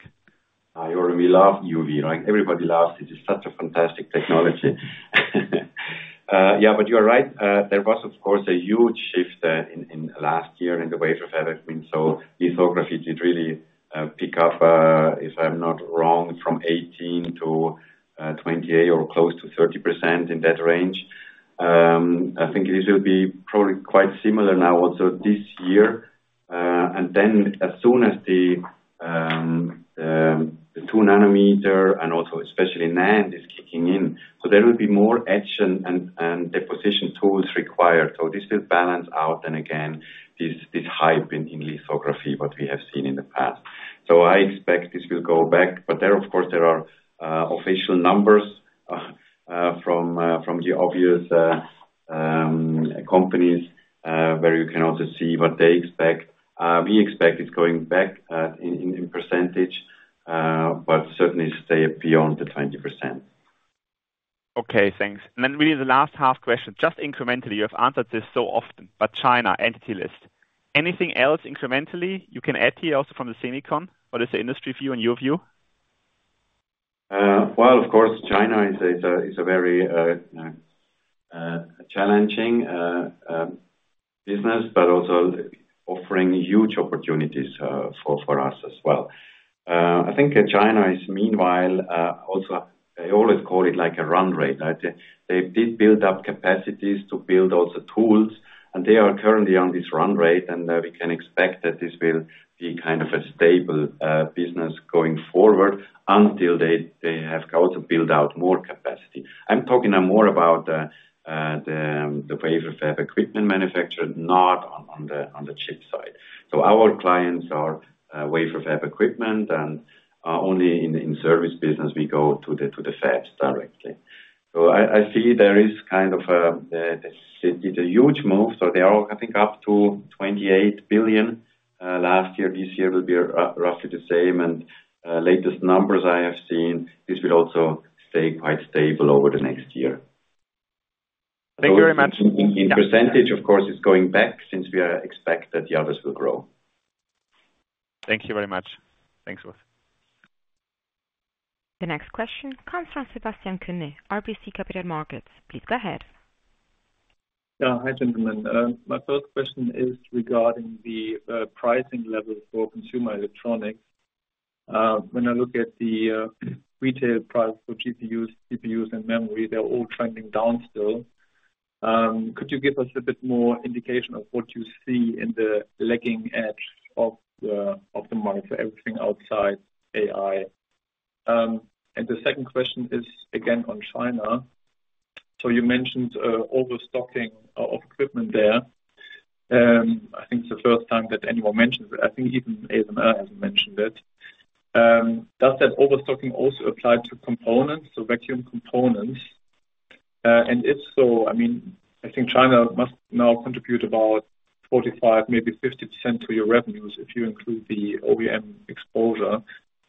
I already love EUV, like everybody loves it. It's such a fantastic technology. Yeah, but you are right. There was, of course, a huge shift in last year in the wafer fab. I mean, so lithography did really pick up, if I'm not wrong, from 18% to 28% or close to 30%, in that range. I think this will be probably quite similar now also this year. And then as soon as the 2nm and also especially NAND is kicking in, so there will be more etch and deposition tools required. So this will balance out, and again, this hype in lithography, what we have seen in the past. I expect this will go back, but there, of course, there are official numbers from the obvious companies where you can also see what they expect. We expect it going back in percentage, but certainly stay beyond the 20%. Okay, thanks. And then really the last half question, just incrementally, you have answered this so often, but China entity list. Anything else incrementally you can add here also from the SEMICON, what is the industry view and your view? Well, of course, China is a very challenging business, but also offering huge opportunities for us as well. I think China is meanwhile also I always call it like a run rate, right? They did build up capacities to build out the tools, and they are currently on this run rate, and we can expect that this will be kind of a stable business going forward until they have also built out more capacity. I'm talking now more about the wafer fab equipment manufacturer, not on the chip side. So our clients are wafer fab equipment and only in service business we go to the fabs directly. I see there is kind of a huge move, so they are, I think, up to 28 billion last year. This year will be roughly the same, and latest numbers I have seen, this will also stay quite stable over the next year. Thank you very much. In percentage, of course, it's going back since we are expect that the others will grow. Thank you very much. Thanks a lot. The next question comes from Sebastian Kuenne, RBC Capital Markets. Please go ahead. Hi, gentlemen. My first question is regarding the pricing level for consumer electronics. When I look at the retail price for GPUs, CPUs, and memory, they're all trending down still. Could you give us a bit more indication of what you see in the lagging edge of the market, everything outside AI? The second question is again on China. You mentioned overstocking of equipment there. I think it's the first time that anyone mentions it. I think even ASML has mentioned it. Does that overstocking also apply to components, so vacuum components? And if so, I mean, I think China must now contribute about 45, maybe 50% to your revenues, if you include the OEM exposure.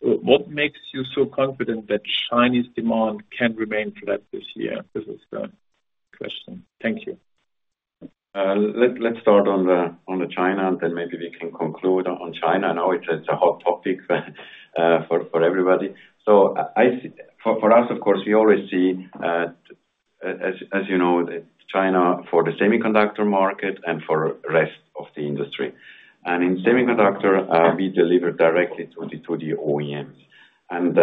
What makes you so confident that Chinese demand can remain flat this year? This is the question. Thank you. Let's start on China, then maybe we can conclude on China. I know it's a hot topic for everybody. So, for us, of course, we always see, as you know, China for the semiconductor market and for rest of the industry. And in semiconductor, we deliver directly to the OEMs. And,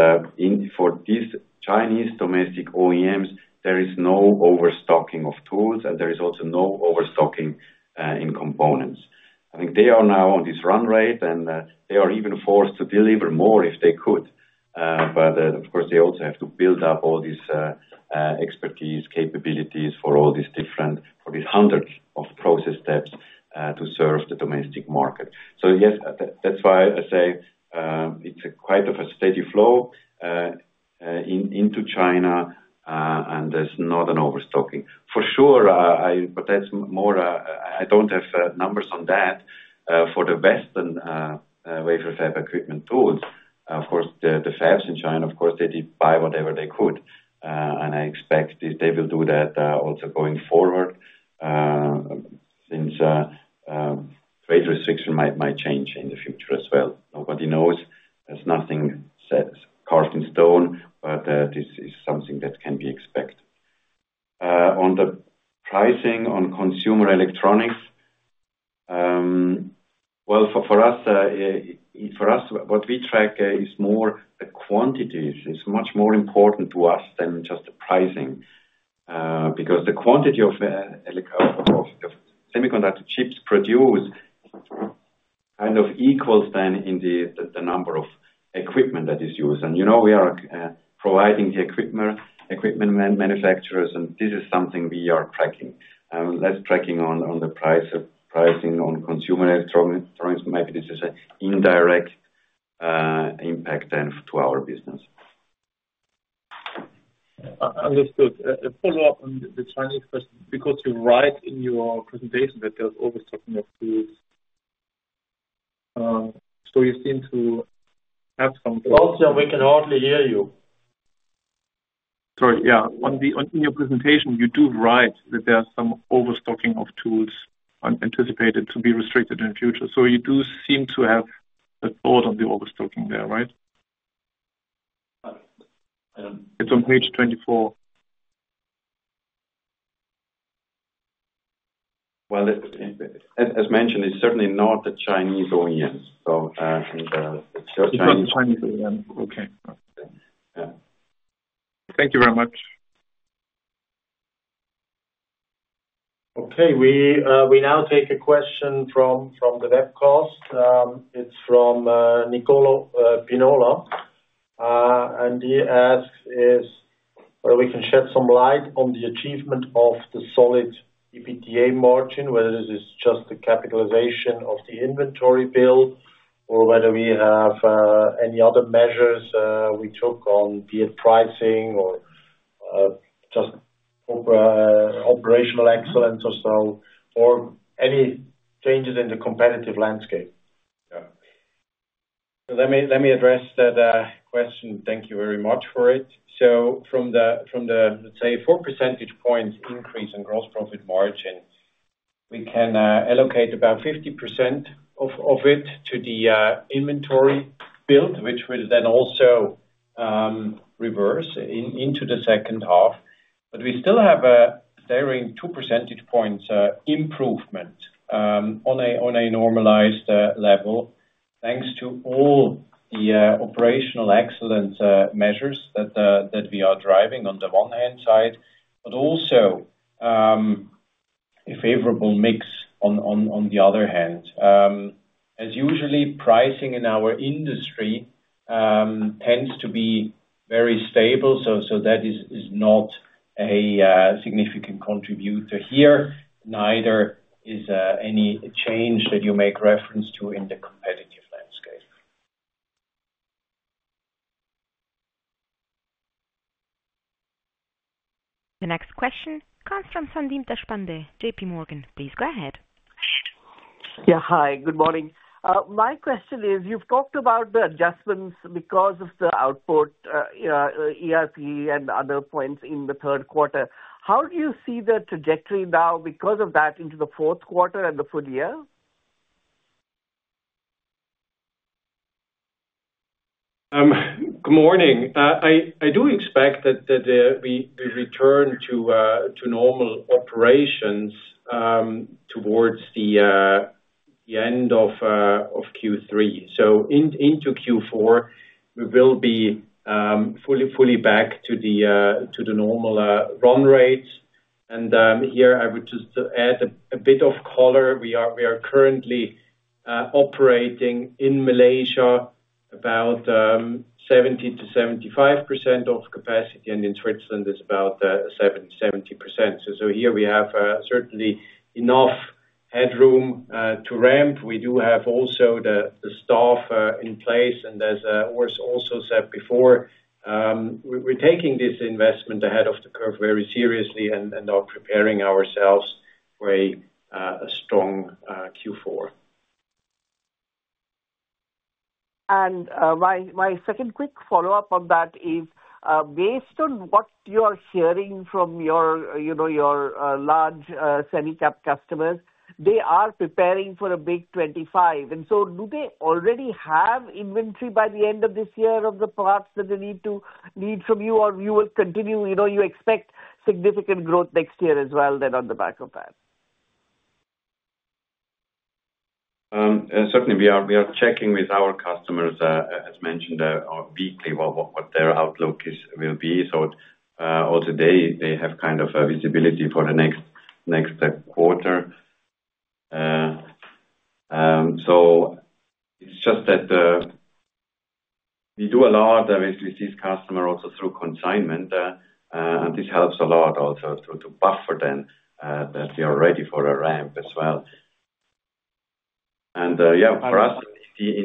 for these Chinese domestic OEMs, there is no overstocking of tools, and there is also no overstocking in components. I think they are now on this run rate, and they are even forced to deliver more, if they could. But of course, they also have to build up all this expertise, capabilities for all these different, for the hundreds of process steps, to serve the domestic market. So yes, that, that's why I say, it's quite a steady flow into China, and there's not an overstocking. For sure. But that's more, I don't have numbers on that. For the Western wafer fab equipment tools, of course, the fabs in China, of course, they did buy whatever they could, and I expect they will do that also going forward, since trade restriction might change in the future as well. Nobody knows. There's nothing set, carved in stone, but this is something that can be expected. On the pricing on consumer electronics, well, for us, for us, what we track is more the quantities. It's much more important to us than just the pricing, because the quantity of semiconductor chips produced kind of equals then in the number of equipment that is used. And, you know, we are providing the equipment manufacturers, and this is something we are tracking. Less tracking on the price of pricing on consumer electronics. Maybe this is an indirect impact then to our business. Understood. A follow-up on the China question, because you write in your presentation that there's overstocking of goods. So you seem to have some- Also, we can hardly hear you.... Sorry, yeah, on, in your presentation, you do write that there are some overstocking of tools anticipated to be restricted in the future. So you do seem to have a thought on the overstocking there, right? I don't- It's on page 24. Well, as mentioned, it's certainly not the Chinese OEM, so, and, it's not- It's not the Chinese OEM. Okay. Yeah. Thank you very much. Okay, we now take a question from the webcast. It's from Nicolò Piovaccari. And he asks whether we can shed some light on the achievement of the solid EBITDA margin, whether this is just the capitalization of the inventory build, or whether we have any other measures we took on via pricing or just operational excellence or so, or any changes in the competitive landscape? Yeah. So let me address that question. Thank you very much for it. So from the, let's say, 4 percentage points increase in gross profit margin, we can allocate about 50% of it to the inventory build, which will then also reverse into the second half. But we still have a varying 2 percentage points improvement on a normalized level, thanks to all the operational excellence measures that we are driving on the one hand side, but also a favorable mix on the other hand. As usual, pricing in our industry tends to be very stable, so that is not a significant contributor here. Neither is any change that you make reference to in the competitive landscape. The next question comes from Sandeep Deshpande, J.P. Morgan. Please go ahead. Yeah, hi, good morning. My question is, you've talked about the adjustments because of the output, ERP and other points in the third quarter. How do you see the trajectory now because of that into the fourth quarter and the full year? Good morning. I do expect that we return to normal operations towards the end of Q3. So into Q4, we will be fully back to the normal run rates. And here, I would just add a bit of color. We are currently operating in Malaysia, about 70%-75% of capacity, and in Switzerland, it's about 70%. So here we have certainly enough headroom to ramp. We do have also the staff in place, and as Urs also said before, we're taking this investment ahead of the curve very seriously and are preparing ourselves for a strong Q4. My second quick follow-up on that is, based on what you are hearing from your, you know, your large semi-cap customers, they are preparing for a big 25, and so do they already have inventory by the end of this year of the parts that they need from you, or you will continue, you know, you expect significant growth next year as well, then, on the back of that? Certainly we are checking with our customers, as mentioned, weekly, what their outlook is, will be. So, also they have kind of a visibility for the next quarter. So it's just that, we do a lot with these customer also through consignment, and this helps a lot also to buffer them, that they are ready for a ramp as well. And, yeah, for us, the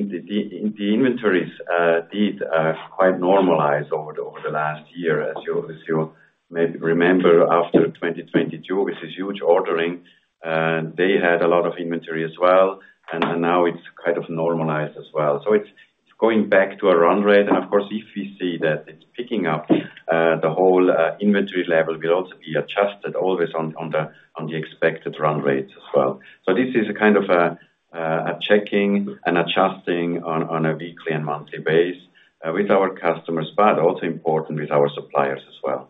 inventories did quite normalize over the last year, as you may remember, after 2022, with this huge ordering, they had a lot of inventory as well, and now it's kind of normalized as well. So it's going back to a run rate, and of course, if we see that it's picking up, the whole, inventory level will also be adjusted always on, on the expected run rates as well. So this is a kind of a, a checking and adjusting on, on a weekly and monthly base, with our customers, but also important with our suppliers as well.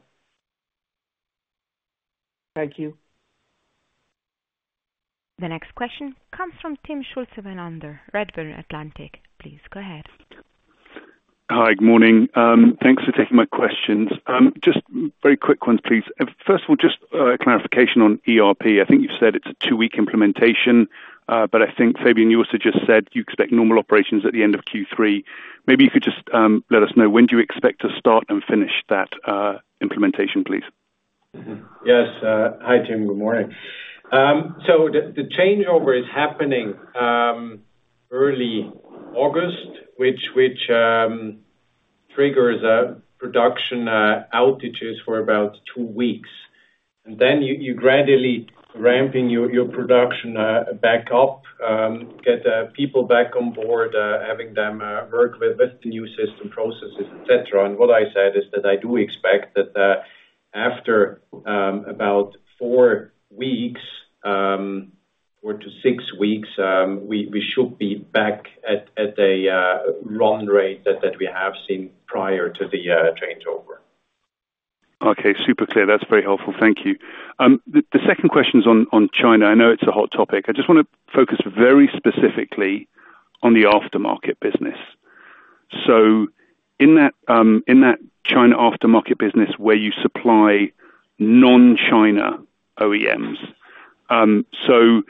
Thank you. The next question comes from Tim Schulze-Melander, Redburn Atlantic. Please go ahead. Hi, good morning. Thanks for taking my questions. Just very quick ones, please. First of all, just clarification on ERP. I think you've said it's a two-week implementation, but I think, Fabian, you also just said you expect normal operations at the end of Q3. Maybe you could just let us know when do you expect to start and finish that implementation, please? Yes, hi, Tim. Good morning. So the changeover is happening early August, which triggers production outages for about two weeks.... And then you gradually ramping your production back up, get people back on board, having them work with the new system processes, etc. What I said is that I do expect that, after about 4 weeks, 4-6 weeks, we should be back at a run rate that we have seen prior to the changeover. Okay, super clear. That's very helpful. Thank you. The second question's on China. I know it's a hot topic. I just want to focus very specifically on the aftermarket business. So in that China aftermarket business, where you supply non-China OEMs, so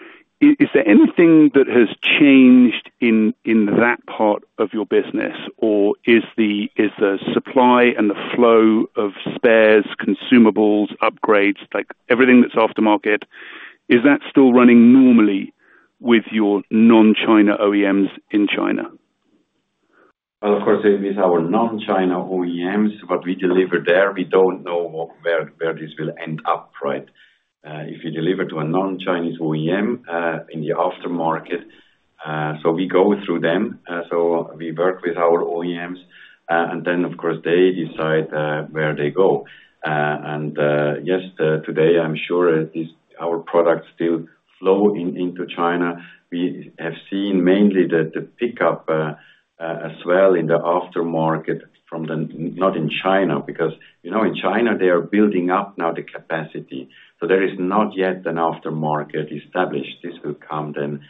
is there anything that has changed in that part of your business, or is the supply and the flow of spares, consumables, upgrades, like everything that's aftermarket, is that still running normally with your non-China OEMs in China? Well, of course, it is our non-China OEMs. What we deliver there, we don't know where this will end up, right? If you deliver to a non-Chinese OEM in the aftermarket, so we go through them. So we work with our OEMs, and then of course, they decide where they go. And yes, today, I'm sure our products still flow into China. We have seen mainly the pickup as well in the aftermarket from not in China, because, you know, in China, they are building up now the capacity. So there is not yet an aftermarket established. This will come then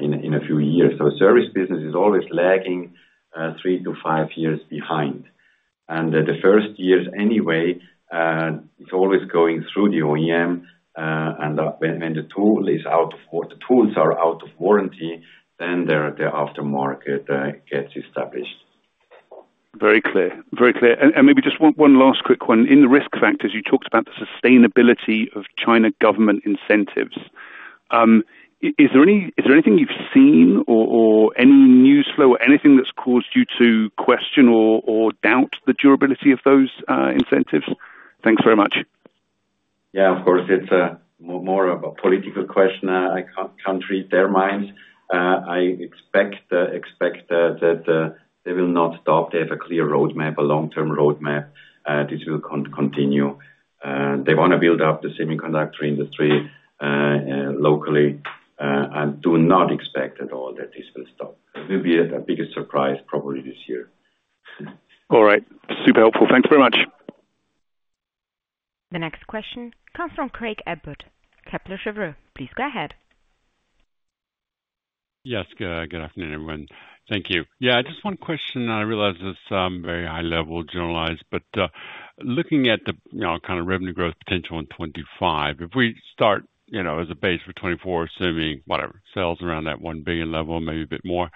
in a few years. So service business is always lagging 3-5 years behind. The first years anyway, it's always going through the OEM, and when the tools are out of warranty, then the aftermarket gets established. Very clear. Very clear. And maybe just one last quick one. In the risk factors, you talked about the sustainability of China government incentives. Is there anything you've seen or any news flow or anything that's caused you to question or doubt the durability of those incentives? Thanks very much. Yeah, of course, it's more of a political question. I can't read their minds. I expect that they will not stop. They have a clear roadmap, a long-term roadmap, this will continue. They want to build up the semiconductor industry locally, and do not expect at all that this will stop. It will be a biggest surprise, probably this year. All right. Super helpful. Thanks very much. The next question comes from Craig Abbott, Kepler Cheuvreux. Please go ahead. Yes, good afternoon, everyone. Thank you. Yeah, just one question. I realize this very high-level generalized, but looking at the, you know, kind of revenue growth potential in 2025, if we start, you know, as a base for 2024, assuming, whatever, sales around that 1 billion level, maybe a bit more,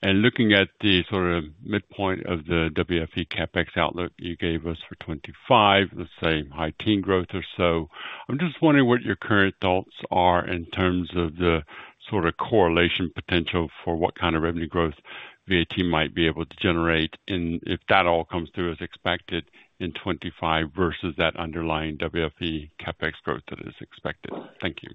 and looking at the sort of midpoint of the WFE CapEx outlook you gave us for 2025, let's say high-teens growth or so, I'm just wondering what your current thoughts are in terms of the sort of correlation potential for what kind of revenue growth VAT might be able to generate, and if that all comes through as expected in 2025 versus that underlying WFE CapEx growth that is expected. Thank you.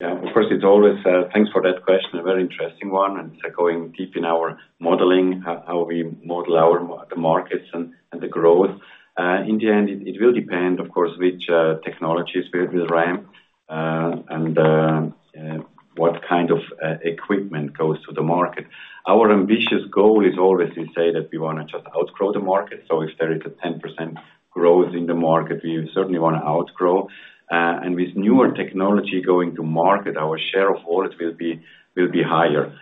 Yeah, of course, it's always, thanks for that question, a very interesting one, and going deep in our modeling, how we model the markets and the growth. In the end, it will depend, of course, which technologies will ramp and what kind of equipment goes to the market. Our ambitious goal is always to say that we wanna just outgrow the market. So if there is a 10% growth in the market, we certainly wanna outgrow. And with newer technology going to market, our share of it will be higher.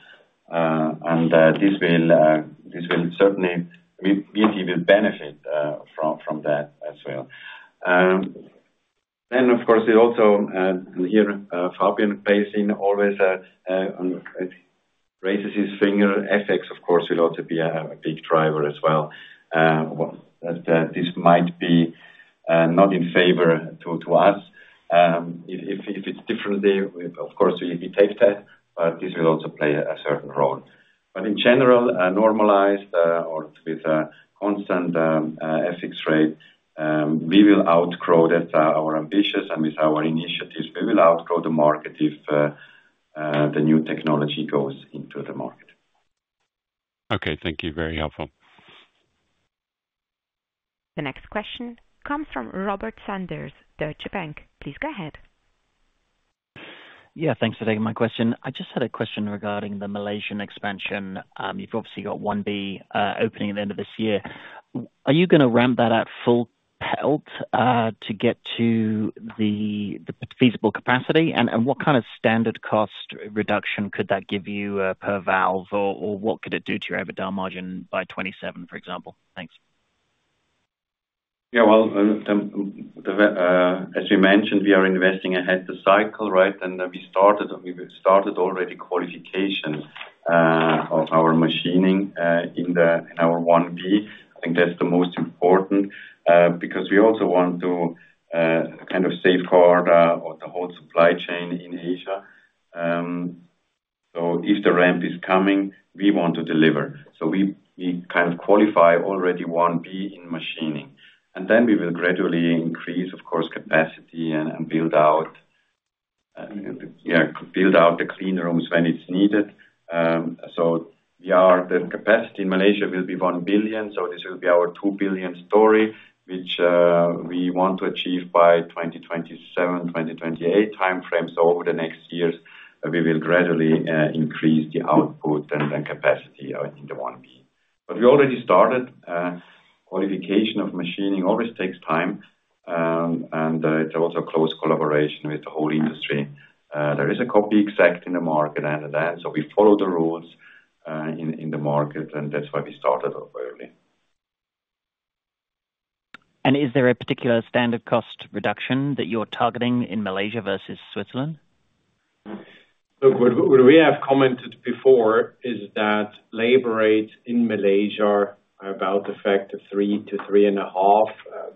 And this will certainly. We even benefit from that as well. Then of course, it also, and here, Fabian, as always, raises his finger. FX, of course, will also be a big driver as well, but this might be not in favor to us. If it's differently, of course, we take that, but this will also play a certain role. But in general, normalized or with a constant FX rate, we will outgrow that, our ambitions and with our initiatives, we will outgrow the market if the new technology goes into the market. Okay. Thank you. Very helpful. The next question comes from Robert Sanders, Deutsche Bank. Please go ahead. Yeah, thanks for taking my question. I just had a question regarding the Malaysian expansion. You've obviously got 1B opening at the end of this year. Are you gonna ramp that at full pelt to get to the, the feasible capacity? And, and what kind of standard cost reduction could that give you per valve, or, or what could it do to your EBITDA margin by 2027, for example? Thanks. Yeah, well, as we mentioned, we are investing ahead the cycle, right? And we started already qualification of our machining in our 1B. I think that's the most important, because we also want to kind of safeguard the whole supply chain in Asia. So if the ramp is coming, we want to deliver. So we kind of qualify already 1B in machining, and then we will gradually increase, of course, capacity and build out the clean rooms when it's needed. So the capacity in Malaysia will be 1 billion, so this will be our 2 billion story, which we want to achieve by 2027, 2028 timeframe. So over the next years, we will gradually increase the output and capacity out in the 1B. But we already started. Qualification of machining always takes time, and it's also close collaboration with the whole industry. There is a copy exact in the market and that, so we follow the rules in the market, and that's why we started off early. Is there a particular standard cost reduction that you're targeting in Malaysia versus Switzerland? Look, what we have commented before is that labor rates in Malaysia are about a factor of 3-3.5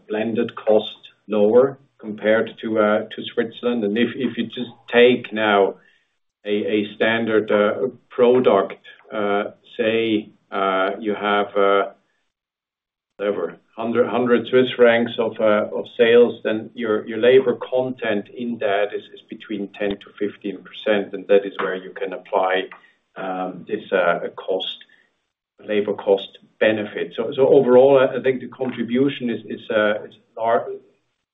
blended cost lower compared to Switzerland. And if you just take now a standard product, say, you have whatever, 100 Swiss francs of sales, then your labor content in that is between 10%-15%, and that is where you can apply this cost, labor cost benefit. So overall, I think the contribution is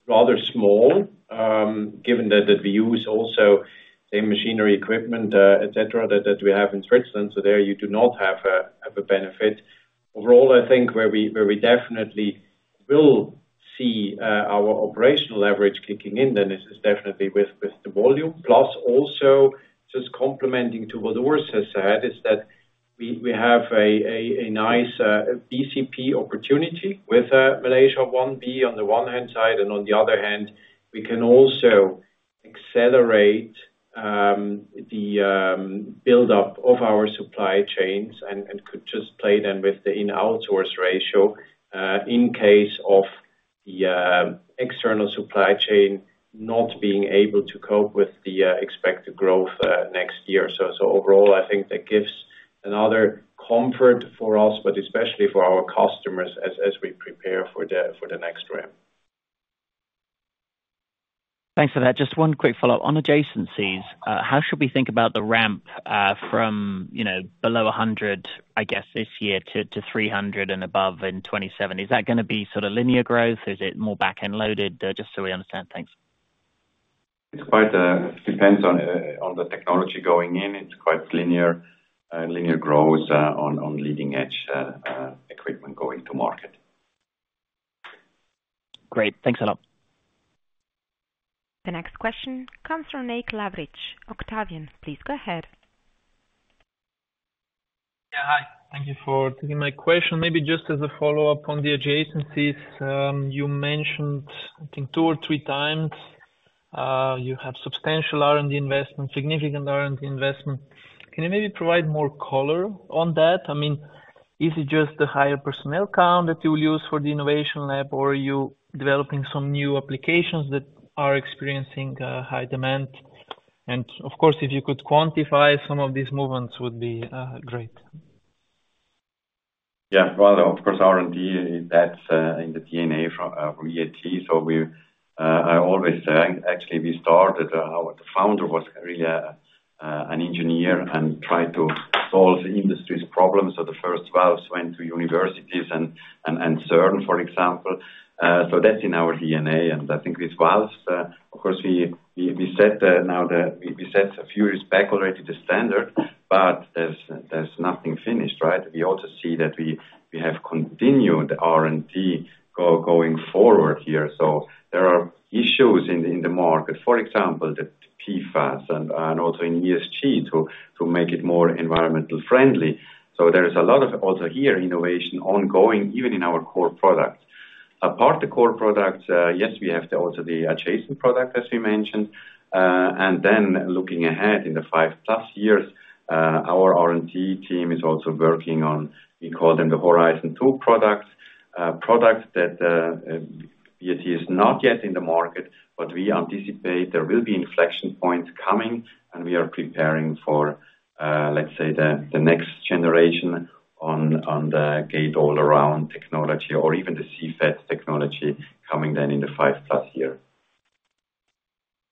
rather small, given that we use also the machinery equipment, et cetera, that we have in Switzerland, so there you do not have a benefit. Overall, I think where we definitely will see our operational leverage kicking in, then this is definitely with the volume. Plus, also, just complementing to what Urs has said, is that we have a nice BCP opportunity with Malaysia 1B on the one hand side, and on the other hand, we can also accelerate the buildup of our supply chains and could just play then with the in-outsource ratio in case of the external supply chain not being able to cope with the expected growth next year. So overall, I think that gives another comfort for us, but especially for our customers, as we prepare for the next ramp. Thanks for that. Just one quick follow-up. On adjacencies, how should we think about the ramp, from, you know, below 100, I guess, this year, to 300 and above in 2027? Is that gonna be sort of linear growth? Is it more back-end loaded? Just so we understand. Thanks. It quite depends on the technology going in. It's quite linear growth on leading-edge equipment going to market. Great. Thanks a lot. The next question comes from Mate Nemes. Octavian, please go ahead. Yeah, hi. Thank you for taking my question. Maybe just as a follow-up on the adjacencies, you mentioned, I think two or three times, you have substantial R&D investment, significant R&D investment. Can you maybe provide more color on that? I mean, is it just the higher personnel count that you will use for the innovation lab, or are you developing some new applications that are experiencing high demand? And of course, if you could quantify some of these movements, would be great. Yeah, well, of course, R&D, that's in the DNA from VAT. So we've I always say, actually, we started our founder was really an engineer and tried to solve the industry's problems. So the first valves went to universities and CERN, for example. So that's in our DNA, and I think with valves, of course, we set the standard a few years back already, but there's nothing finished, right? We also see that we have continued R&D going forward here. So there are issues in the market, for example, the PFAS and also in ESG, to make it more environmentally friendly. So there is a lot of also here, innovation ongoing, even in our core products. Apart from the core products, yes, we have also the adjacent product, as we mentioned. And then looking ahead in the five+ years, our R&D team is also working on, we call them the Horizon two products. Products that, it is not yet in the market, but we anticipate there will be inflection points coming, and we are preparing for, let's say, the, the next generation on, on the gate-all-around technology or even the CFVAT technology coming then in the five+ year.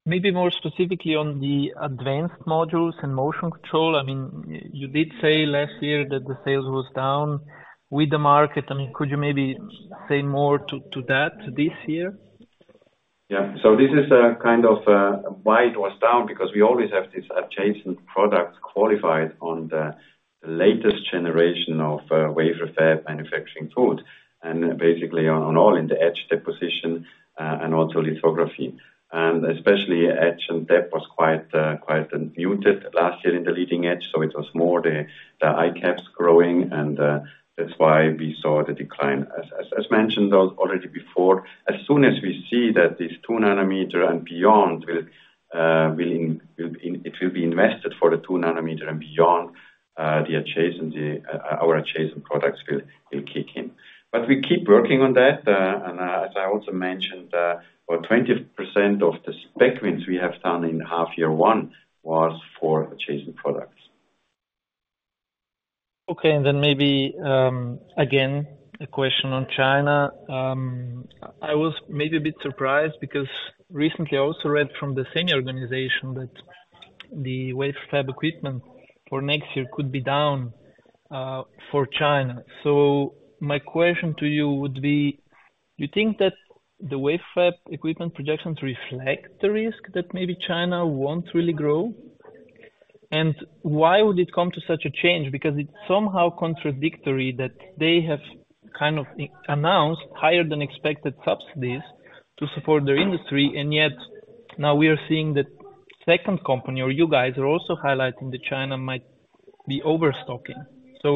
Maybe more specifically on the advanced modules and motion control. I mean, you did say last year that the sales was down with the market. I mean, could you maybe say more to that, this year? Yeah. So this is kind of why it was down, because we always have these adjacent products qualified on the latest generation of wafer fab manufacturing tools, and basically on all in the etch deposition, and also lithography. And especially etch and dep was quite muted last year in the leading edge, so it was more the ICAPS growing, and that's why we saw the decline. As mentioned already before, as soon as we see that this 2 nm and beyond will be invested for the 2 nm and beyond, the adjacent, our adjacent products will kick in. But we keep working on that, and as I also mentioned, about 20% of the spec wins we have done in half year one was for adjacent products.... Okay, and then maybe again, a question on China. I was maybe a bit surprised because recently I also read from the same organization that the wafer fab equipment for next year could be down for China. So my question to you would be: Do you think that the wafer fab equipment projections reflect the risk that maybe China won't really grow? And why would it come to such a change? Because it's somehow contradictory that they have kind of announced higher than expected subsidies to support their industry, and yet, now we are seeing that second company or you guys are also highlighting that China might be overstocking. So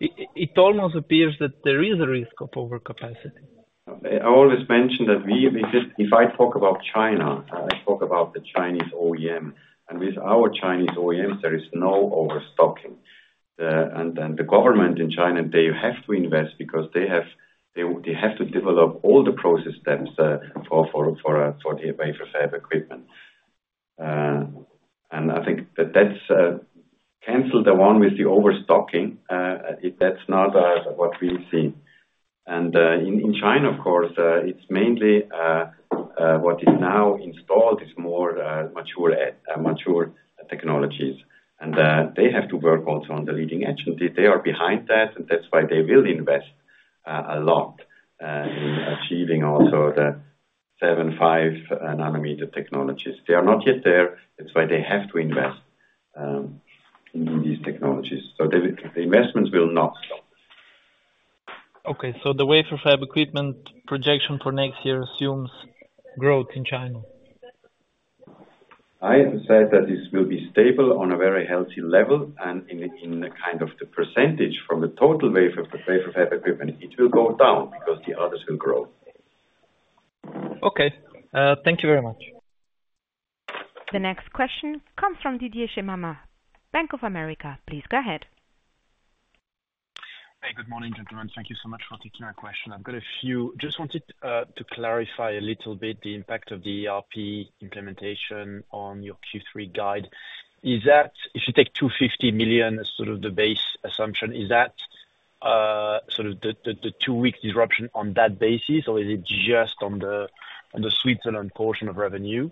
it almost appears that there is a risk of overcapacity. I always mention that we just—if I talk about China, I talk about the Chinese OEM, and with our Chinese OEMs, there is no overstocking. And the government in China, they have to invest because they have to develop all the process steps for the wafer fab equipment. And I think that that's cancel the one with the overstocking, that's not what we see. And in China, of course, it's mainly what is now installed is more mature technologies, and they have to work also on the leading edge. They are behind that, and that's why they will invest a lot in achieving also the 7, 5 nanometer technologies. They are not yet there, that's why they have to invest in these technologies. So the investments will not stop. Okay, so the wafer fab equipment projection for next year assumes growth in China? I said that this will be stable on a very healthy level and in kind of the percentage from the total wafer, the wafer fab equipment, it will go down because the others will grow. Okay. Thank you very much. The next question comes from Didier Scemama, Bank of America. Please go ahead. Hey, good morning, gentlemen. Thank you so much for taking my question. I've got a few. Just wanted to clarify a little bit the impact of the ERP implementation on your Q3 guide. Is that, if you take 250 million as sort of the base assumption, is that sort of the two-week disruption on that basis, or is it just on the Switzerland portion of revenue?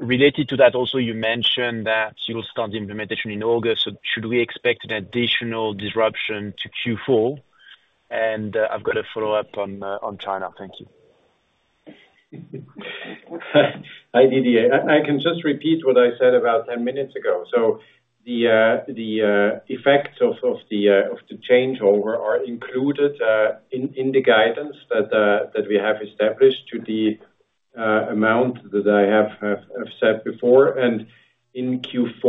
Related to that, also, you mentioned that you will start the implementation in August, so should we expect an additional disruption to Q4? And I've got a follow-up on China. Thank you. Hi, Didier. I can just repeat what I said about 10 minutes ago. So the effects of the changeover are included in the guidance that we have established to the amount that I have said before, and in Q4.